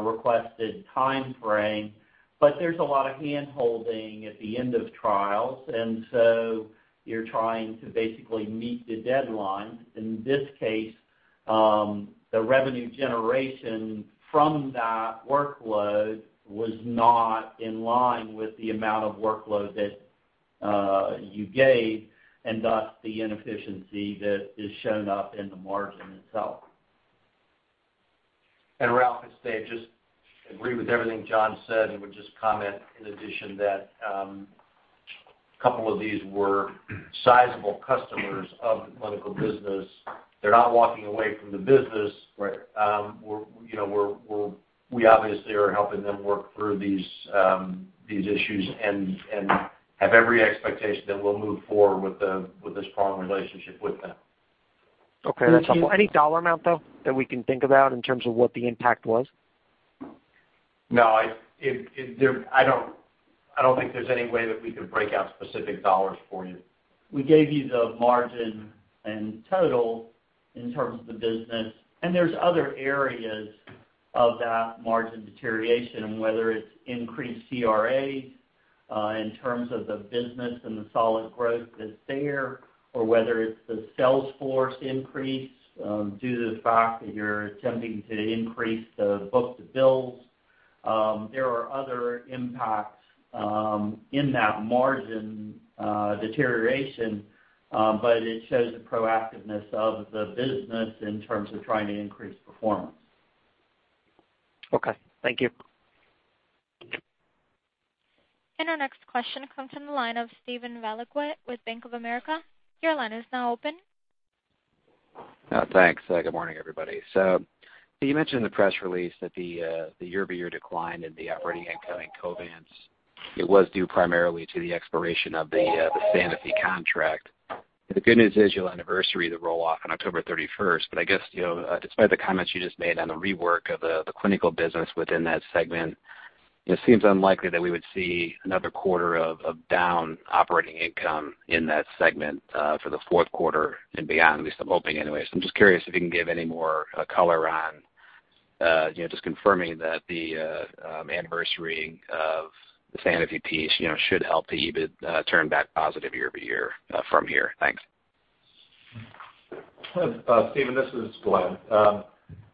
requested time frame. There is a lot of handholding at the end of trials, and you are trying to basically meet the deadlines. In this case, the revenue generation from that workload was not in line with the amount of workload that you gave, and thus the inefficiency that has shown up in the margin itself. Ralph, it's Dave. Just agree with everything John said and would just comment in addition that a couple of these were sizable customers of the clinical business. They're not walking away from the business. We obviously are helping them work through these issues and have every expectation that we'll move forward with this strong relationship with them. Okay. That's helpful. Any dollar amount, though, that we can think about in terms of what the impact was? No. I don't think there's any way that we could break out specific dollars for you. We gave you the margin and total in terms of the business. And there's other areas of that margin deterioration, whether it's increased CRAs in terms of the business and the solid growth that's there, or whether it's the sales force increase due to the fact that you're attempting to increase the book-to-bill. There are other impacts in that margin deterioration, but it shows the proactiveness of the business in terms of trying to increase performance. Okay. Thank you. Our next question comes from the line of Stephen Valliquit with Bank of America. Your line is now open. Thanks. Good morning, everybody. You mentioned in the press release that the year-over-year decline in the operating income in Covance was due primarily to the expiration of the Sanofi contract. The good news is you'll anniversary the roll-off on October 31st. I guess, despite the comments you just made on the rework of the clinical business within that segment, it seems unlikely that we would see another quarter of down operating income in that segment for the fourth quarter and beyond, at least I'm hoping anyway. I'm just curious if you can give any more color on just confirming that the anniversary of the Sanofi piece should help to even turn back positive year-over-year from here. Thanks. Stephen, this is Glenn.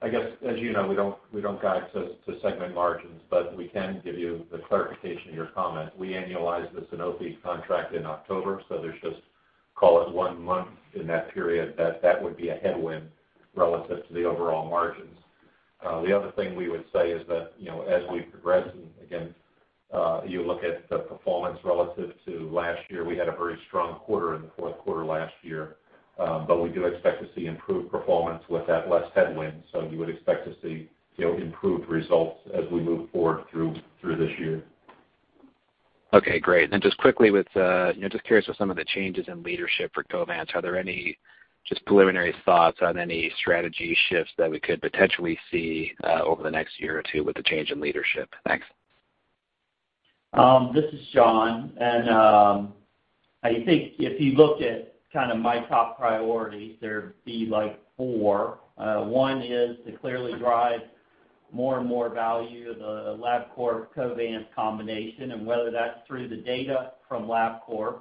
I guess, as you know, we don't guide to segment margins, but we can give you the clarification of your comment. We annualize the Sanofi contract in October, so there's just, call it, one month in that period that that would be a headwind relative to the overall margins. The other thing we would say is that as we progress, and again, you look at the performance relative to last year, we had a very strong quarter in the fourth quarter last year, but we do expect to see improved performance with that less headwind. You would expect to see improved results as we move forward through this year. Okay. Great. Just quickly, just curious, with some of the changes in leadership for Covance, are there any preliminary thoughts on any strategy shifts that we could potentially see over the next year or two with the change in leadership? Thanks. This is John. I think if you look at kind of my top priorities, there would be four. One is to clearly drive more and more value of the Labcorp-Covance combination, and whether that is through the data from Labcorp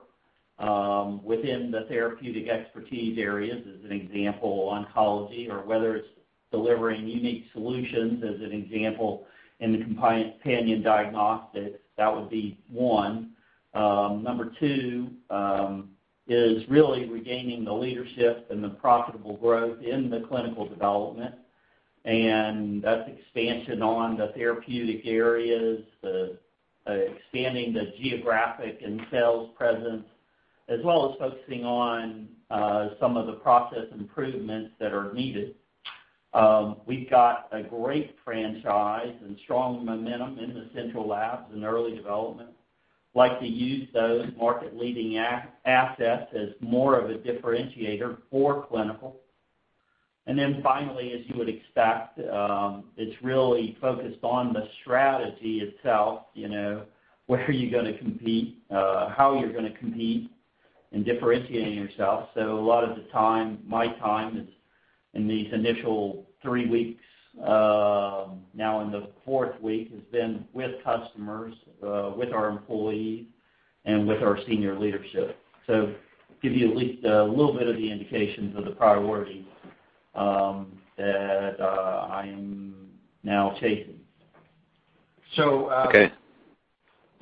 within the therapeutic expertise areas, as an example, oncology, or whether it is delivering unique solutions, as an example, in the compliance pan and diagnostics, that would be one. Number two is really regaining the leadership and the profitable growth in the clinical development. That is expansion on the therapeutic areas, expanding the geographic and sales presence, as well as focusing on some of the process improvements that are needed. We have got a great franchise and strong momentum in the central labs and early development. Like to use those market-leading assets as more of a differentiator for clinical. Finally, as you would expect, it is really focused on the strategy itself, where are you going to compete, how you are going to compete, and differentiating yourself. A lot of the time, my time in these initial three weeks, now in the fourth week, has been with customers, with our employees, and with our senior leadership. That gives you at least a little bit of the indications of the priority that I am now chasing.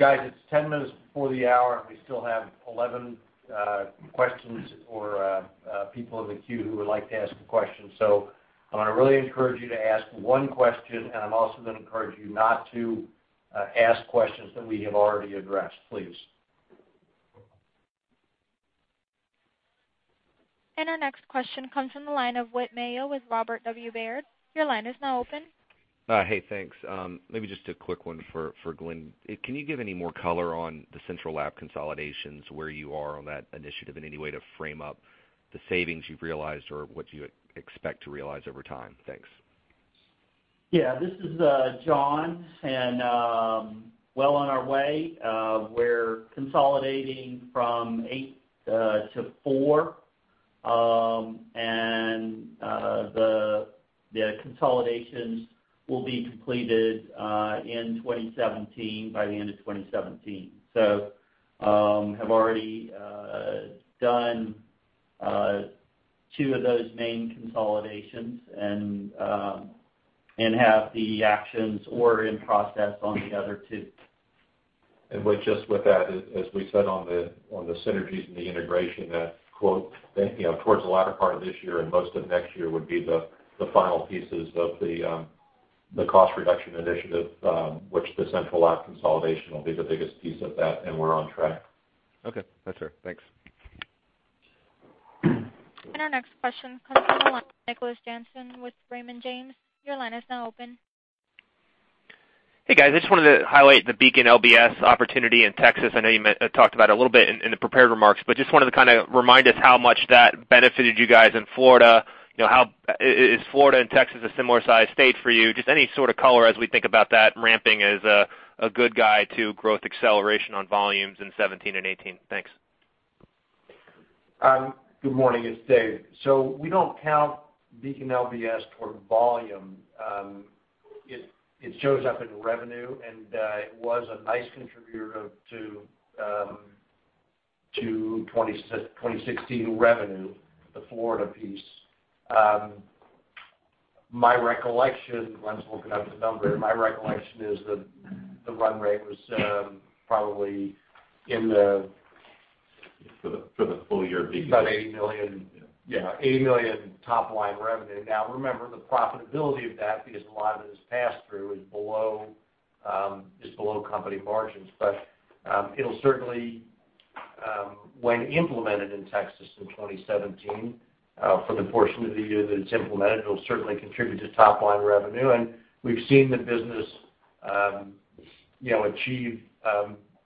It's 10 minutes before the hour, and we still have 11 questions or people in the queue who would like to ask a question. I want to really encourage you to ask one question, and I'm also going to encourage you not to ask questions that we have already addressed, please. Our next question comes from the line of Whit Mayo with Robert W Baird. Your line is now open. Hey, thanks. Maybe just a quick one for Glenn. Can you give any more color on the central lab consolidations, where you are on that initiative, any way to frame up the savings you've realized or what you expect to realize over time? Thanks. Yeah. This is John. Well on our way. We're consolidating from eight to four, and the consolidations will be completed in 2017, by the end of 2017. We have already done two of those main consolidations and have the actions or are in process on the other two. Just with that, as we said on the synergies and the integration, that "towards the latter part of this year and most of next year would be the final pieces of the cost reduction initiative," which the central lab consolidation will be the biggest piece of that, and we're on track. Okay. That's fair. Thanks. Our next question comes from the line of Nicholas Jansen with Raymond James. Your line is now open. Hey, guys. I just wanted to highlight the Beacon LBS opportunity in Texas. I know you talked about it a little bit in the prepared remarks, but just wanted to kind of remind us how much that benefited you guys in Florida. Is Florida and Texas a similar size state for you? Just any sort of color as we think about that ramping as a good guide to growth acceleration on volumes in 2017 and 2018. Thanks. Good morning. It's Dave. We do not count Beacon LBS toward volume. It shows up in revenue, and it was a nice contributor to 2016 revenue, the Florida piece. My recollection, Glenn's looking up the number, my recollection is the run rate was probably in the, for the full year of Beacon, about $80 million. Yeah, $80 million top-line revenue. Now, remember, the profitability of that, because a lot of it is pass-through, is below company margins. It will certainly, when implemented in Texas in 2017, for the portion of the year that it is implemented, certainly contribute to top-line revenue. We have seen the business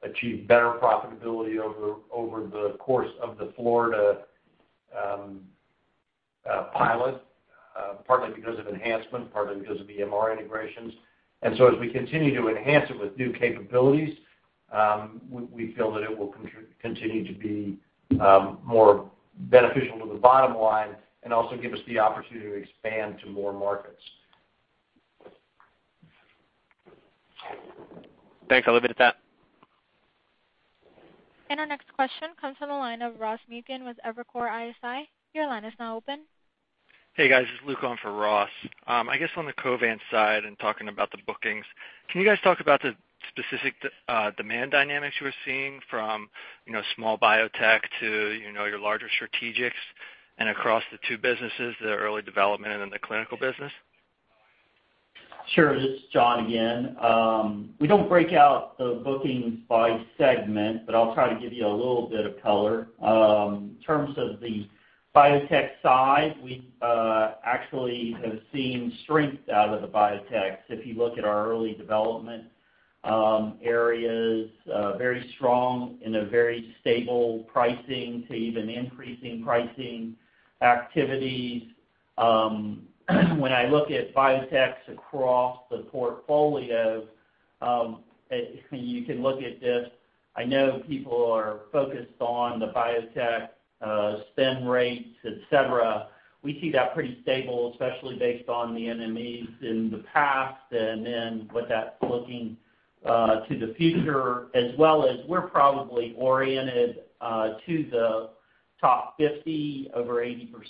achieve better profitability over the course of the Florida pilot, partly because of enhancement, partly because of the MR integrations. As we continue to enhance it with new capabilities, we feel that it will continue to be more beneficial to the bottom line and also give us the opportunity to expand to more markets. Thanks. I will leave it at that. Our next question comes from the line of Ross Muken with Evercore ISI. Your line is now open. Hey, guys. This is Luke on for Ross. I guess on the Covance side and talking about the bookings, can you guys talk about the specific demand dynamics you were seeing from small biotech to your larger strategics and across the two businesses, the early development and then the clinical business? Sure. This is John again. We don't break out the bookings by segment, but I'll try to give you a little bit of color. In terms of the biotech side, we actually have seen strength out of the biotechs. If you look at our early development areas, very strong and a very stable pricing to even increasing pricing activities. When I look at biotechs across the portfolio, you can look at this. I know people are focused on the biotech spend rates, etc. We see that pretty stable, especially based on the NMEs in the past and then what that's looking to the future, as well as we're probably oriented to the top 50. Over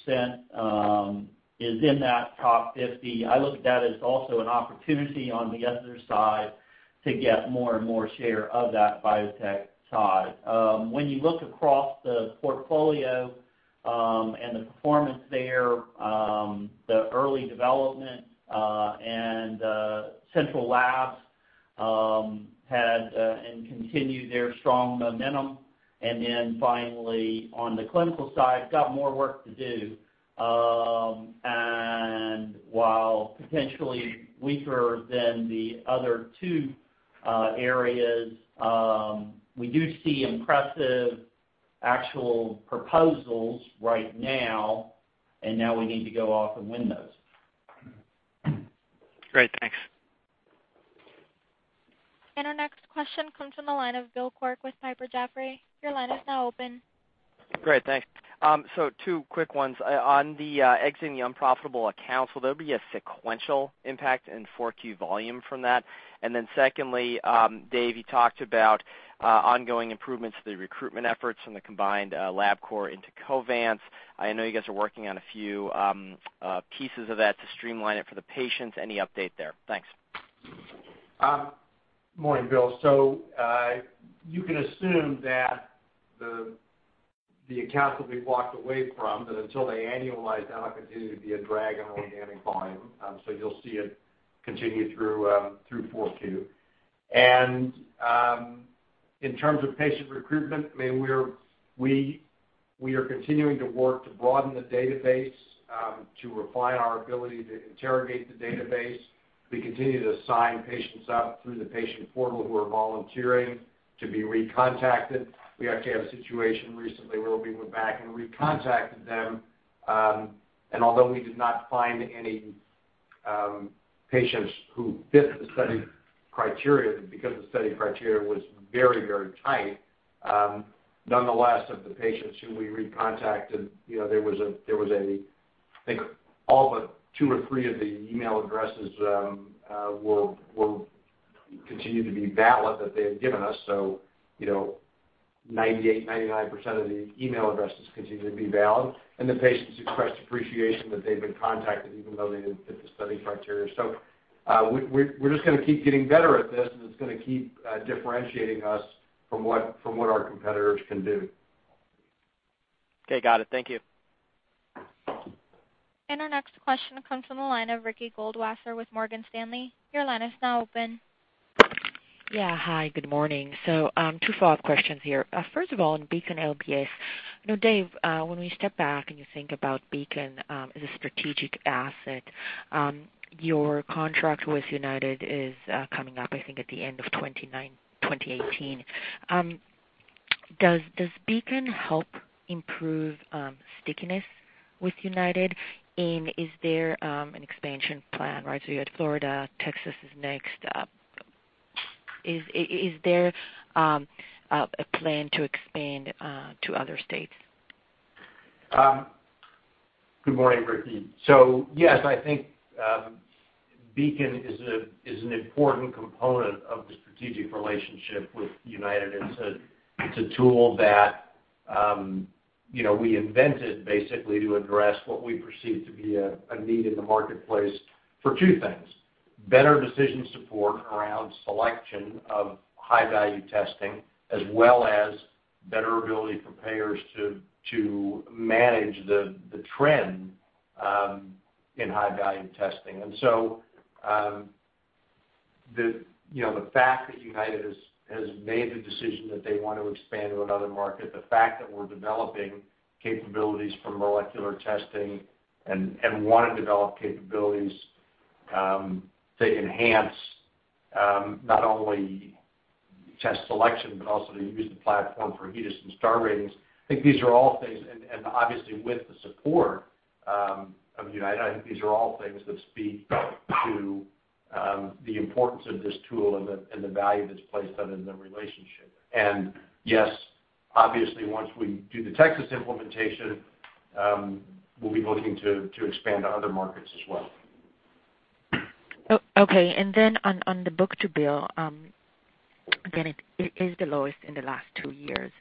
80% is in that top 50. I look at that as also an opportunity on the other side to get more and more share of that biotech side. When you look across the portfolio and the performance there, the early development and central labs had and continue their strong momentum. Finally, on the clinical side, got more work to do. While potentially weaker than the other two areas, we do see impressive actual proposals right now, and now we need to go off and win those. Great. Thanks. Our next question comes from the line of Bill Quirk with Piper Jaffray. Your line is now open. Great. Thanks. Two quick ones. On the exiting the unprofitable accounts, will there be a sequential impact in 4Q volume from that? Secondly, Dave, you talked about ongoing improvements to the recruitment efforts and the combined Labcorp into Covance. I know you guys are working on a few pieces of that to streamline it for the patients. Any update there? Thanks. Morning, Bill. You can assume that the accounts will be walked away from, but until they annualize that, it'll continue to be a drag on organic volume. You'll see it continue through 4Q. In terms of patient recruitment, I mean, we are continuing to work to broaden the database to refine our ability to interrogate the database. We continue to sign patients up through the patient portal who are volunteering to be recontacted. We actually had a situation recently where we went back and recontacted them. Although we did not find any patients who fit the study criteria because the study criteria was very, very tight, nonetheless, of the patients who we recontacted, I think all but two or three of the email addresses continued to be valid that they had given us. So 98%-99% of the email addresses continue to be valid. The patients expressed appreciation that they have been contacted even though they did not fit the study criteria. We are just going to keep getting better at this, and it is going to keep differentiating us from what our competitors can do. Okay. Got it. Thank you. Our next question comes from the line of Ricky Goldwasser with Morgan Stanley. Your line is now open. Yeah. Hi. Good morning. Two follow-up questions here. First of all, on Beacon LBS, Dave, when we step back and you think about Beacon as a strategic asset, your contract with United is coming up, I think, at the end of 2018. Does Beacon help improve stickiness with United? Is there an expansion plan? Right? You had Florida, Texas is next. Is there a plan to expand to other states? Good morning, Ricky. Yes, I think Beacon is an important component of the strategic relationship with United. It's a tool that we invented basically to address what we perceive to be a need in the marketplace for two things: better decision support around selection of high-value testing, as well as better ability for payers to manage the trend in high-value testing. The fact that United has made the decision that they want to expand to another market, the fact that we're developing capabilities for molecular testing and want to develop capabilities to enhance not only test selection but also to use the platform for HEDIS and STAR ratings, I think these are all things. Obviously, with the support of United, I think these are all things that speak to the importance of this tool and the value that's placed on it and the relationship. Yes, obviously, once we do the Texas implementation, we'll be looking to expand to other markets as well. Okay. Then on the book-to-bill, again, it is the lowest in the last two years.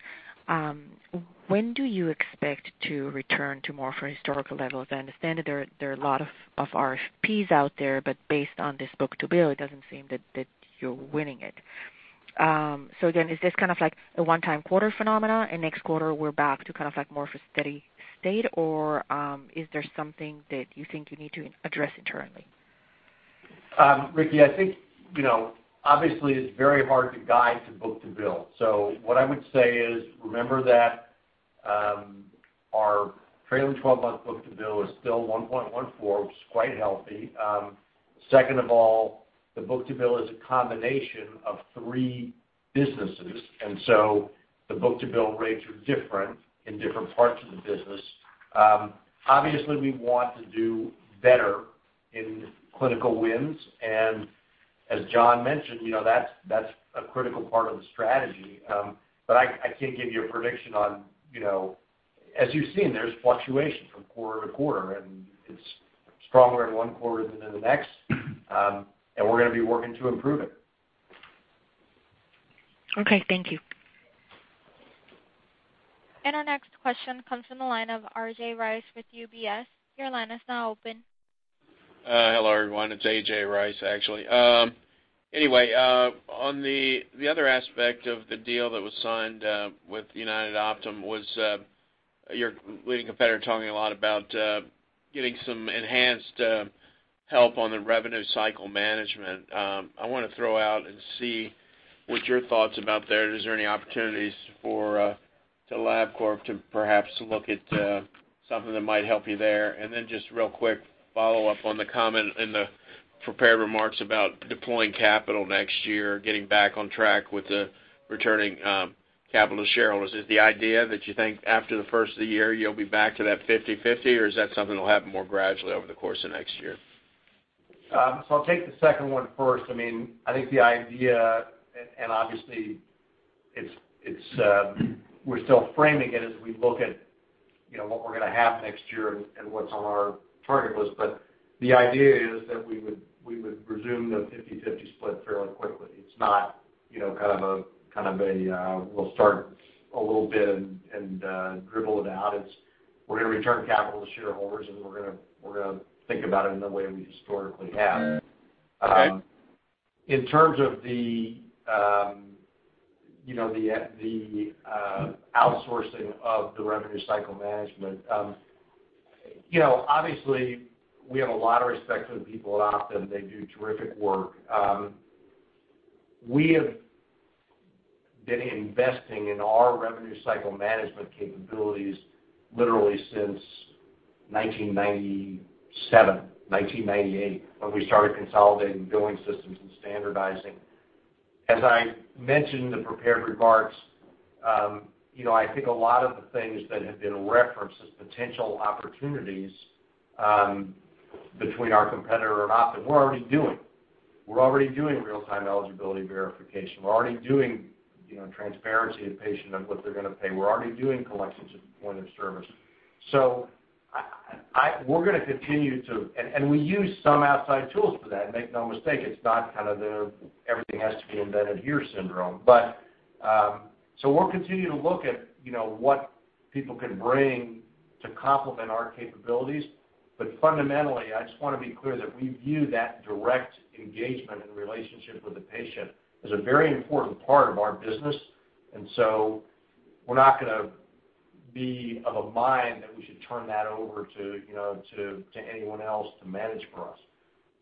When do you expect to return to more historical levels? I understand that there are a lot of RFPs out there, but based on this book-to-bill, it doesn't seem that you're winning it. Again, is this kind of like a one-time quarter phenomenon? Next quarter, are we back to kind of like more of a steady state, or is there something that you think you need to address internally? Ricky, I think obviously, it's very hard to guide to book-to-bill. What I would say is remember that our trailing 12-month book-to-bill is still 1.14, which is quite healthy. Second of all, the book-to-bill is a combination of three businesses, and so the book-to-bill rates are different in different parts of the business. Obviously, we want to do better in clinical wins. As John mentioned, that's a critical part of the strategy. I can't give you a prediction on, as you've seen, there's fluctuation from quarter to quarter, and it's stronger in one quarter than in the next. We're going to be working to improve it Okay. Thank you. Our next question comes from the line of A.J. Rice with UBS. Your line is now open. Hello, everyone. It's AJ Rice, actually. Anyway, on the other aspect of the deal that was signed with United Optum, your leading competitor talking a lot about getting some enhanced help on the revenue cycle management. I want to throw out and see what your thoughts about there. Is there any opportunities for Labcorp to perhaps look at something that might help you there? Just real quick follow-up on the comment in the prepared remarks about deploying capital next year, getting back on track with the returning capital shareholders. Is the idea that you think after the first of the year, you'll be back to that 50/50, or is that something that'll happen more gradually over the course of next year? I'll take the second one first. I mean, I think the idea, and obviously, we're still framing it as we look at what we're going to have next year and what's on our target list. The idea is that we would resume the 50/50 split fairly quickly. It's not kind of a, "We'll start a little bit and dribble it out." It's, "We're going to return capital to shareholders, and we're going to think about it in the way we historically have." In terms of the outsourcing of the revenue cycle management, obviously, we have a lot of respect for the people at Optum. They do terrific work. We have been investing in our revenue cycle management capabilities literally since 1997, 1998, when we started consolidating billing systems and standardizing. As I mentioned in the prepared remarks, I think a lot of the things that have been referenced as potential opportunities between our competitor and Optum, we're already doing. We're already doing real-time eligibility verification. We're already doing transparency and patient of what they're going to pay. We're already doing collections at the point of service. We're going to continue to, and we use some outside tools for that. Make no mistake, it's not kind of the everything has to be invented here syndrome. We'll continue to look at what people could bring to complement our capabilities. Fundamentally, I just want to be clear that we view that direct engagement and relationship with the patient as a very important part of our business. We're not going to be of a mind that we should turn that over to anyone else to manage for us.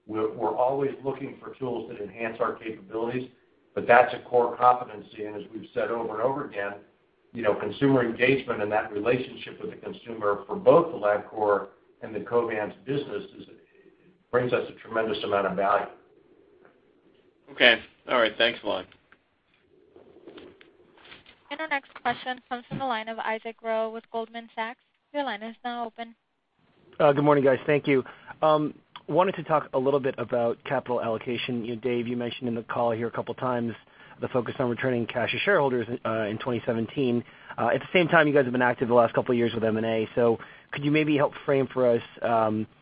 We're always looking for tools that enhance our capabilities, but that's a core competency. As we've said over and over again, consumer engagement and that relationship with the consumer for both the Labcorp and the Covance business brings us a tremendous amount of value. Okay. All right. Thanks, Mate. Our next question comes from the line of Isaac Ro with Goldman Sachs. Your line is now open. Good morning, guys. Thank you. Wanted to talk a little bit about capital allocation. Dave, you mentioned in the call here a couple of times the focus on returning cash to shareholders in 2017. At the same time, you guys have been active the last couple of years with M&A. Could you maybe help frame for us the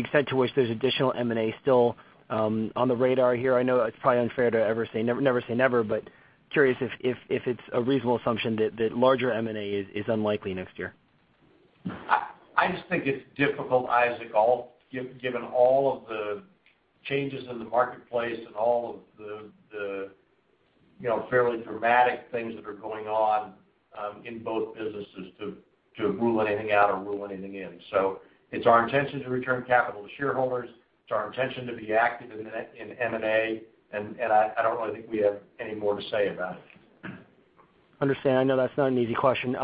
extent to which there's additional M&A still on the radar here? I know it's probably unfair to ever say never say never, but curious if it's a reasonable assumption that larger M&A is unlikely next year. I just think it's difficult, Isaac, given all of the changes in the marketplace and all of the fairly dramatic things that are going on in both businesses to rule anything out or rule anything in. It is our intention to return capital to shareholders. It is our intention to be active in M&A. I do not really think we have any more to say about it. Understand. I know that is not an easy question.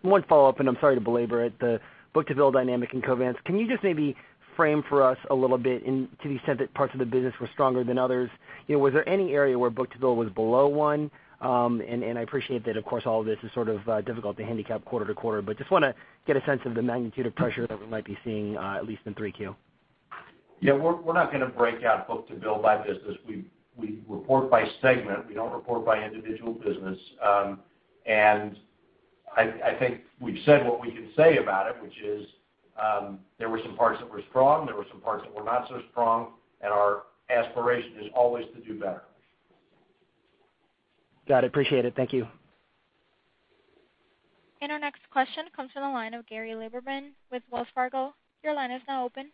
One follow-up, and I am sorry to belabor it. The book-to-bill dynamic in Covance, can you just maybe frame for us a little bit to the extent that parts of the business were stronger than others? Was there any area where book-to-bill was below one? I appreciate that, of course, all of this is sort of difficult to handicap quarter to quarter, but just want to get a sense of the magnitude of pressure that we might be seeing at least in 3Q. Yeah. We are not going to break out book-to-bill by business. We report by segment. We do not report by individual business. I think we've said what we can say about it, which is there were some parts that were strong. There were some parts that were not so strong. Our aspiration is always to do better. Got it. Appreciate it. Thank you. Our next question comes from the line of Gary Lieberman with Wells Fargo. Your line is now open.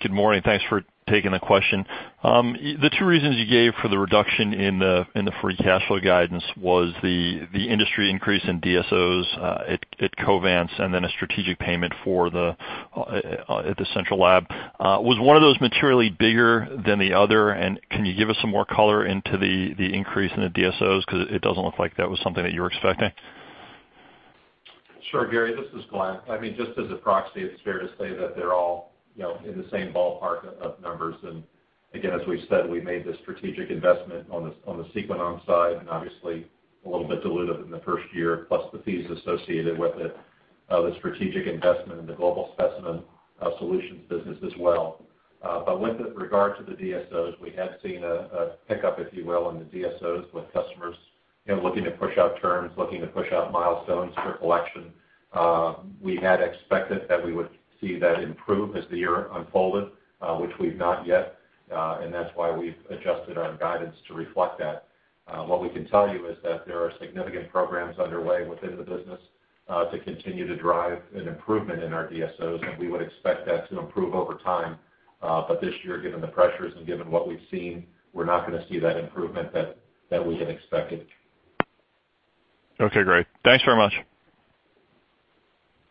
Good morning. Thanks for taking the question. The two reasons you gave for the reduction in the Free Cash Flow guidance was the industry increase in DSOs at Covance and then a strategic payment at the central lab. Was one of those materially bigger than the other? Can you give us some more color into the increase in the DSOs because it doesn't look like that was something that you were expecting? Sure, Gary. This is Glenn. I mean, just as a proxy, it's fair to say that they're all in the same ballpark of numbers. Again, as we've said, we made the strategic investment on the Sequenom side and obviously a little bit diluted in the first year, plus the fees associated with it, the strategic investment in the global specimen solutions business as well. With regard to the DSOs, we had seen a pickup, if you will, in the DSOs with customers looking to push out terms, looking to push out milestones for collection. We had expected that we would see that improve as the year unfolded, which we've not yet. That's why we've adjusted our guidance to reflect that. What we can tell you is that there are significant programs underway within the business to continue to drive an improvement in our DSOs, and we would expect that to improve over time. This year, given the pressures and given what we've seen, we're not going to see that improvement that we had expected. Okay. Great. Thanks very much.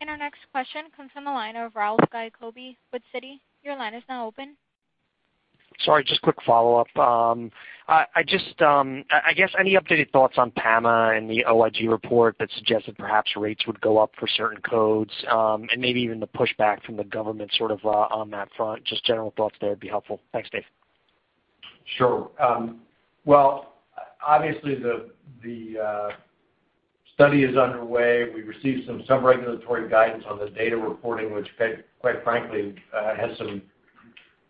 Our next question comes from the line of Ralph Giacobbe with Citi. Your line is now open. Sorry, just quick follow-up. I guess any updated thoughts on PAMA and the OIG report that suggested perhaps rates would go up for certain codes and maybe even the pushback from the government sort of on that front? Just general thoughts there would be helpful. Thanks, Dave. Sure. Obviously, the study is underway. We received some regulatory guidance on the data reporting, which quite frankly has some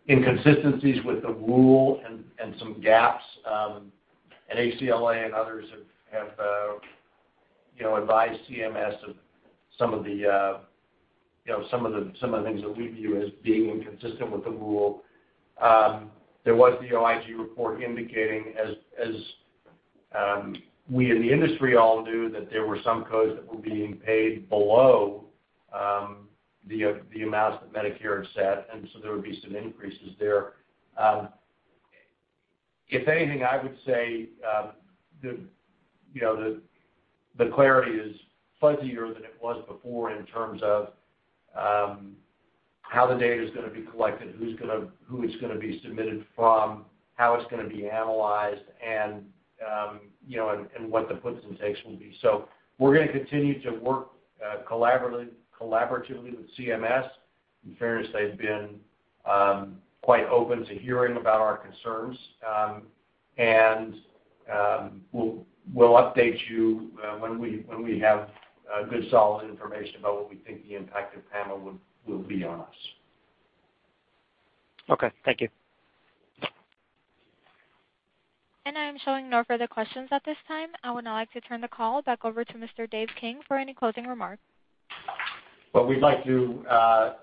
inconsistencies with the rule and some gaps. HCLA and others have advised CMS of some of the things that we view as being inconsistent with the rule. There was the OIG report indicating, as we in the industry all knew, that there were some codes that were being paid below the amounts that Medicare had set. There would be some increases there. If anything, I would say the clarity is fuzzier than it was before in terms of how the data is going to be collected, who it's going to be submitted from, how it's going to be analyzed, and what the puts and takes will be. We're going to continue to work collaboratively with CMS. In fairness, they've been quite open to hearing about our concerns. We will update you when we have good solid information about what we think the impact of PAMA will be on us. Thank you. I am showing no further questions at this time. I would now like to turn the call back over to Mr. Dave King for any closing remarks. We would like to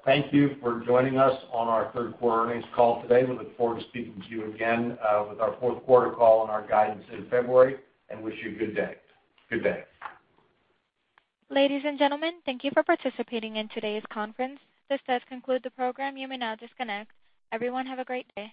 thank you for joining us on our third quarter earnings call today. We look forward to speaking to you again with our fourth quarter call and our guidance in February and wish you a good day. Ladies and gentlemen, thank you for participating in today's conference. This does conclude the program. You may now disconnect. Everyone, have a great day.